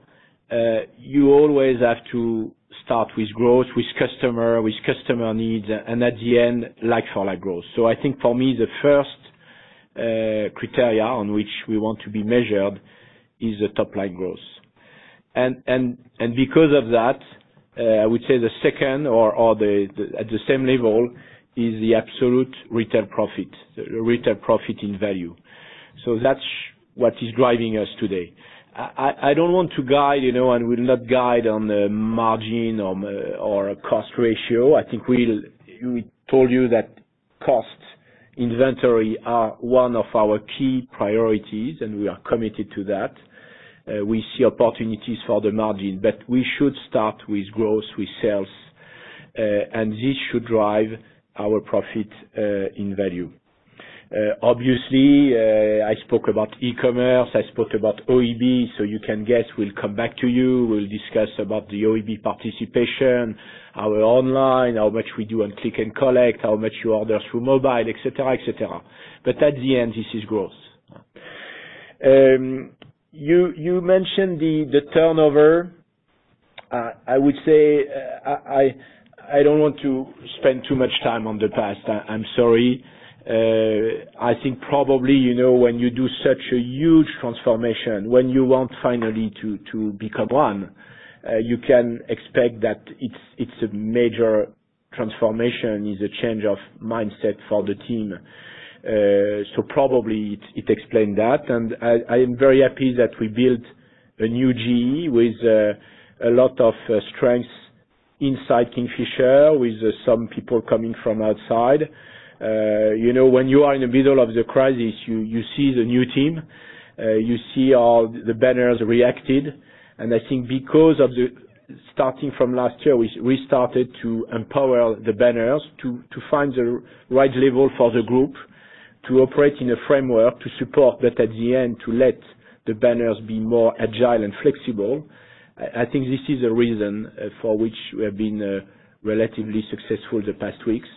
you always have to start with growth, with customer, with customer needs. At the end, like-for-like growth. I think for me, the first criteria on which we want to be measured is the top-line growth. Because of that, I would say the second or at the same level is the absolute retail profit in value. That's what is driving us today. I don't want to guide, and will not guide on the margin or cost ratio. I think we told you that costs inventory are one of our key priorities, and we are committed to that. We see opportunities for the margin, but we should start with growth, with sales. This should drive our profit in value. I spoke about e-commerce, I spoke about OEB. You can guess we'll come back to you. We'll discuss about the OEB participation, our online, how much we do on click and collect, how much you order through mobile, et cetera. At the end, this is growth. You mentioned the turnover. I would say, I don't want to spend too much time on the past. I'm sorry. I think probably, when you do such a huge transformation, when you want finally to become One, you can expect that it's a major transformation, is a change of mindset for the team. Probably it explained that, and I am very happy that we built a new GE with a lot of strengths inside Kingfisher with some people coming from outside. When you are in the middle of the crisis, you see the new team. You see how the banners reacted. I think because of starting from last year, we started to empower the banners to find the right level for the group to operate in a framework to support, but at the end, to let the banners be more agile and flexible. I think this is a reason for which we have been relatively successful the past weeks,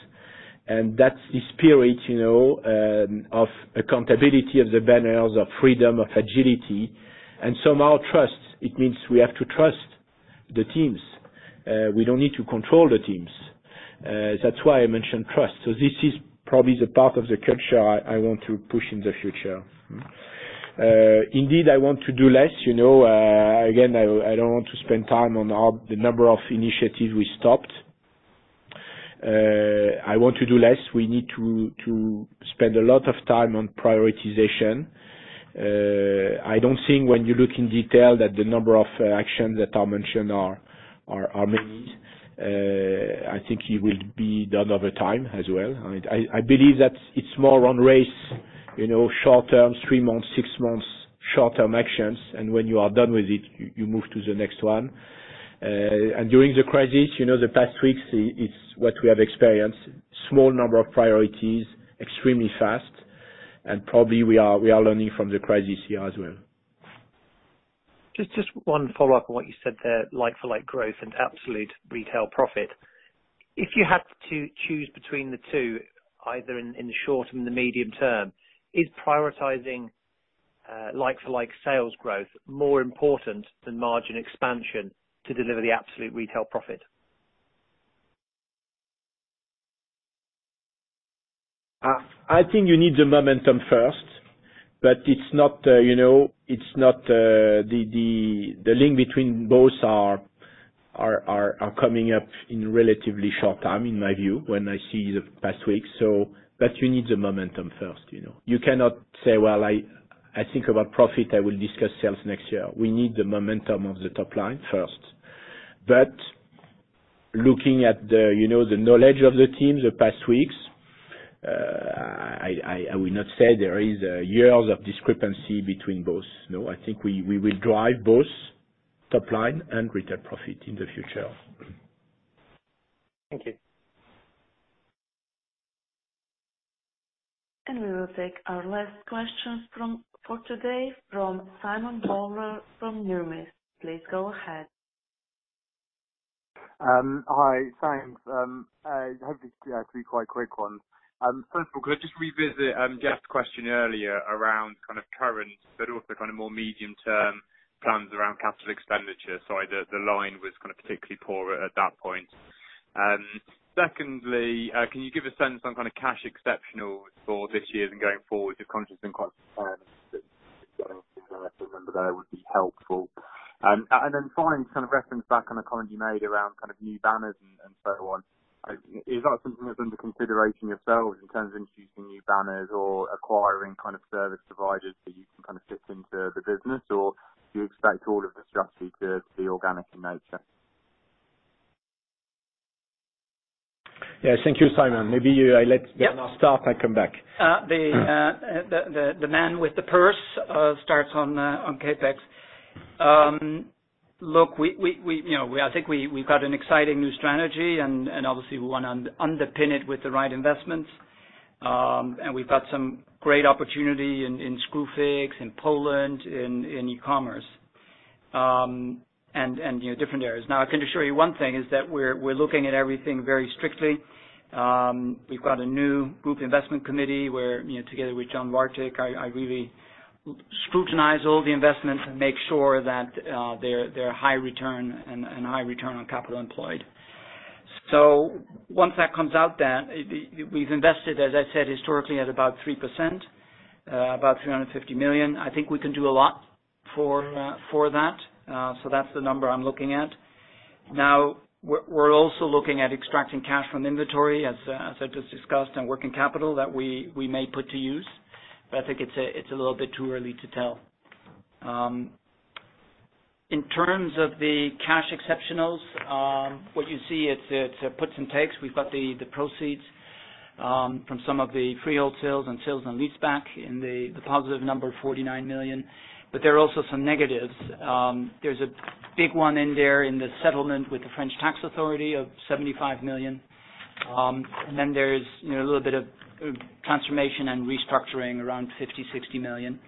and that's the spirit of accountability of the banners, of freedom, of agility, and somehow trust. It means we have to trust the teams. We don't need to control the teams. That's why I mentioned trust. This is probably the part of the culture I want to push in the future. Indeed, I want to do less. Again, I don't want to spend time on the number of initiatives we stopped. I want to do less. We need to spend a lot of time on prioritization. I don't think when you look in detail that the number of actions that are mentioned are many. I think it will be done over time as well. I believe that it's more run race, short-term, three months, six months short-term actions, and when you are done with it, you move to the next one. During the crisis, the past weeks, it's what we have experienced, small number of priorities, extremely fast. Probably we are learning from the crisis here as well. Just one follow-up on what you said there, like-for-like growth and absolute retail profit. If you had to choose between the two, either in the short and the medium term, is prioritizing like-for-like sales growth more important than margin expansion to deliver the absolute retail profit? I think you need the momentum first, but the link between both are coming up in relatively short time, in my view, when I see the past week. You need the momentum first. You cannot say, "Well, I think about profit, I will discuss sales next year." We need the momentum of the top line first. Looking at the knowledge of the team the past weeks, I will not say there is years of discrepancy between both. No, I think we will drive both top line and retail profit in the future. Thank you. We will take our last question for today from Simon Bowler from Numis. Please go ahead. Hi. Thanks. I hope this will be a quite quick one. First of all, could I just revisit Geoff's question earlier around kind of current, but also kind of more medium-term plans around capital expenditure? Sorry, the line was kind of particularly poor at that point. Secondly, can you give a sense on kind of cash exceptionals for this year and going forward? Just conscious in quite remember there would be helpful. Finally, to kind of reference back on a comment you made around new banners and so on. Is that something that's under consideration yourselves in terms of introducing new banners or acquiring kind of service providers that you can kind of fit into the business, or do you expect all of the strategy to be organic in nature? Yes, thank you, Simon. Maybe I let Bernard start, I come back. The man with the purse starts on CapEx. Look, I think we've got an exciting new strategy. Obviously, we want to underpin it with the right investments. We've got some great opportunity in Screwfix, in Poland, in e-commerce, and different areas. I can assure you one thing is that we're looking at everything very strictly. We've got a new group investment committee where, together with John Wartig, I really scrutinize all the investments and make sure that they're high return and high return on capital employed. Once that comes out, we've invested, as I said, historically at about 3%, about 350 million. I think we can do a lot for that. That's the number I'm looking at. We're also looking at extracting cash from inventory as I just discussed, and working capital that we may put to use. I think it's a little bit too early to tell. In terms of the cash exceptionals, what you see, it's puts and takes. We've got the proceeds from some of the freehold sales and sale and leaseback in the positive number, 49 million. There are also some negatives. There's a big one in there in the settlement with the French tax authority of 75 million. Then there's a little bit of transformation and restructuring around 50 million-60 million.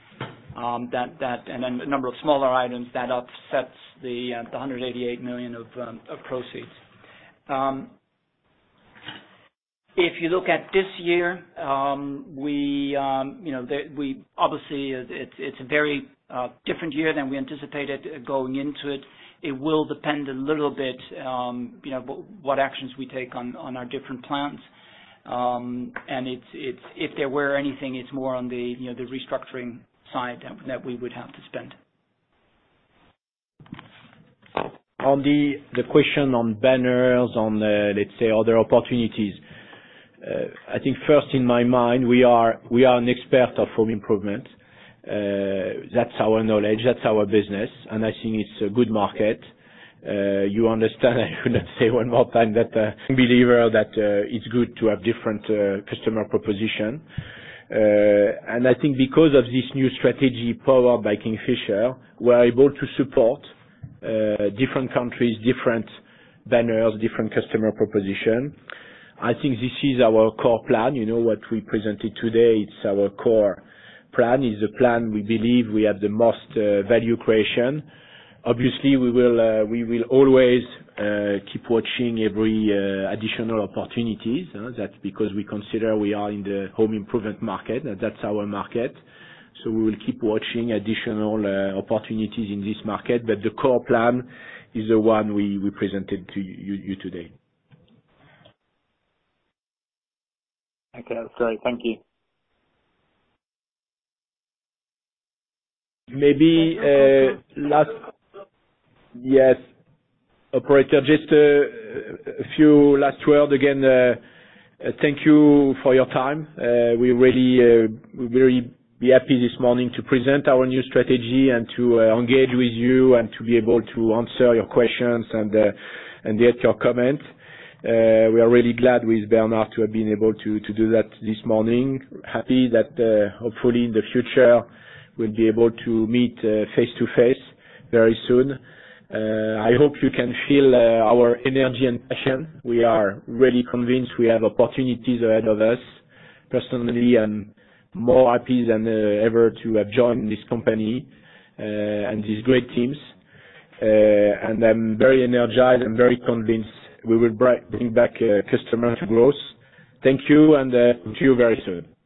Then a number of smaller items that offsets the 188 million of proceeds. If you look at this year, obviously, it's a very different year than we anticipated going into it. It will depend a little bit what actions we take on our different plans. If there were anything, it's more on the restructuring side that we would have to spend. On the question on banners, on, let's say, other opportunities. I think first in my mind, we are an expert of home improvement. That's our knowledge, that's our business, and I think it's a good market. You understand I could not say one more time that a believer that it's good to have different customer proposition. I think because of this new strategy, Powered by Kingfisher, we're able to support different countries, different banners, different customer proposition. I think this is our core plan. What we presented today, it's our core plan. Is the plan we believe we have the most value creation. Obviously, we will always keep watching every additional opportunities. That's because we consider we are in the home improvement market, and that's our market. We will keep watching additional opportunities in this market. The core plan is the one we presented to you today. Okay. That's great. Thank you. Yes. Operator, just a few last words. Again, thank you for your time. We're very happy this morning to present our new strategy and to engage with you and to be able to answer your questions and get your comments. We are really glad with Bernard to have been able to do that this morning. Happy that hopefully in the future, we'll be able to meet face-to-face very soon. I hope you can feel our energy and passion. We are really convinced we have opportunities ahead of us. Personally, I'm more happy than ever to have joined this company and these great teams. I'm very energized and very convinced we will bring back customers to growth. Thank you, and to you very soon.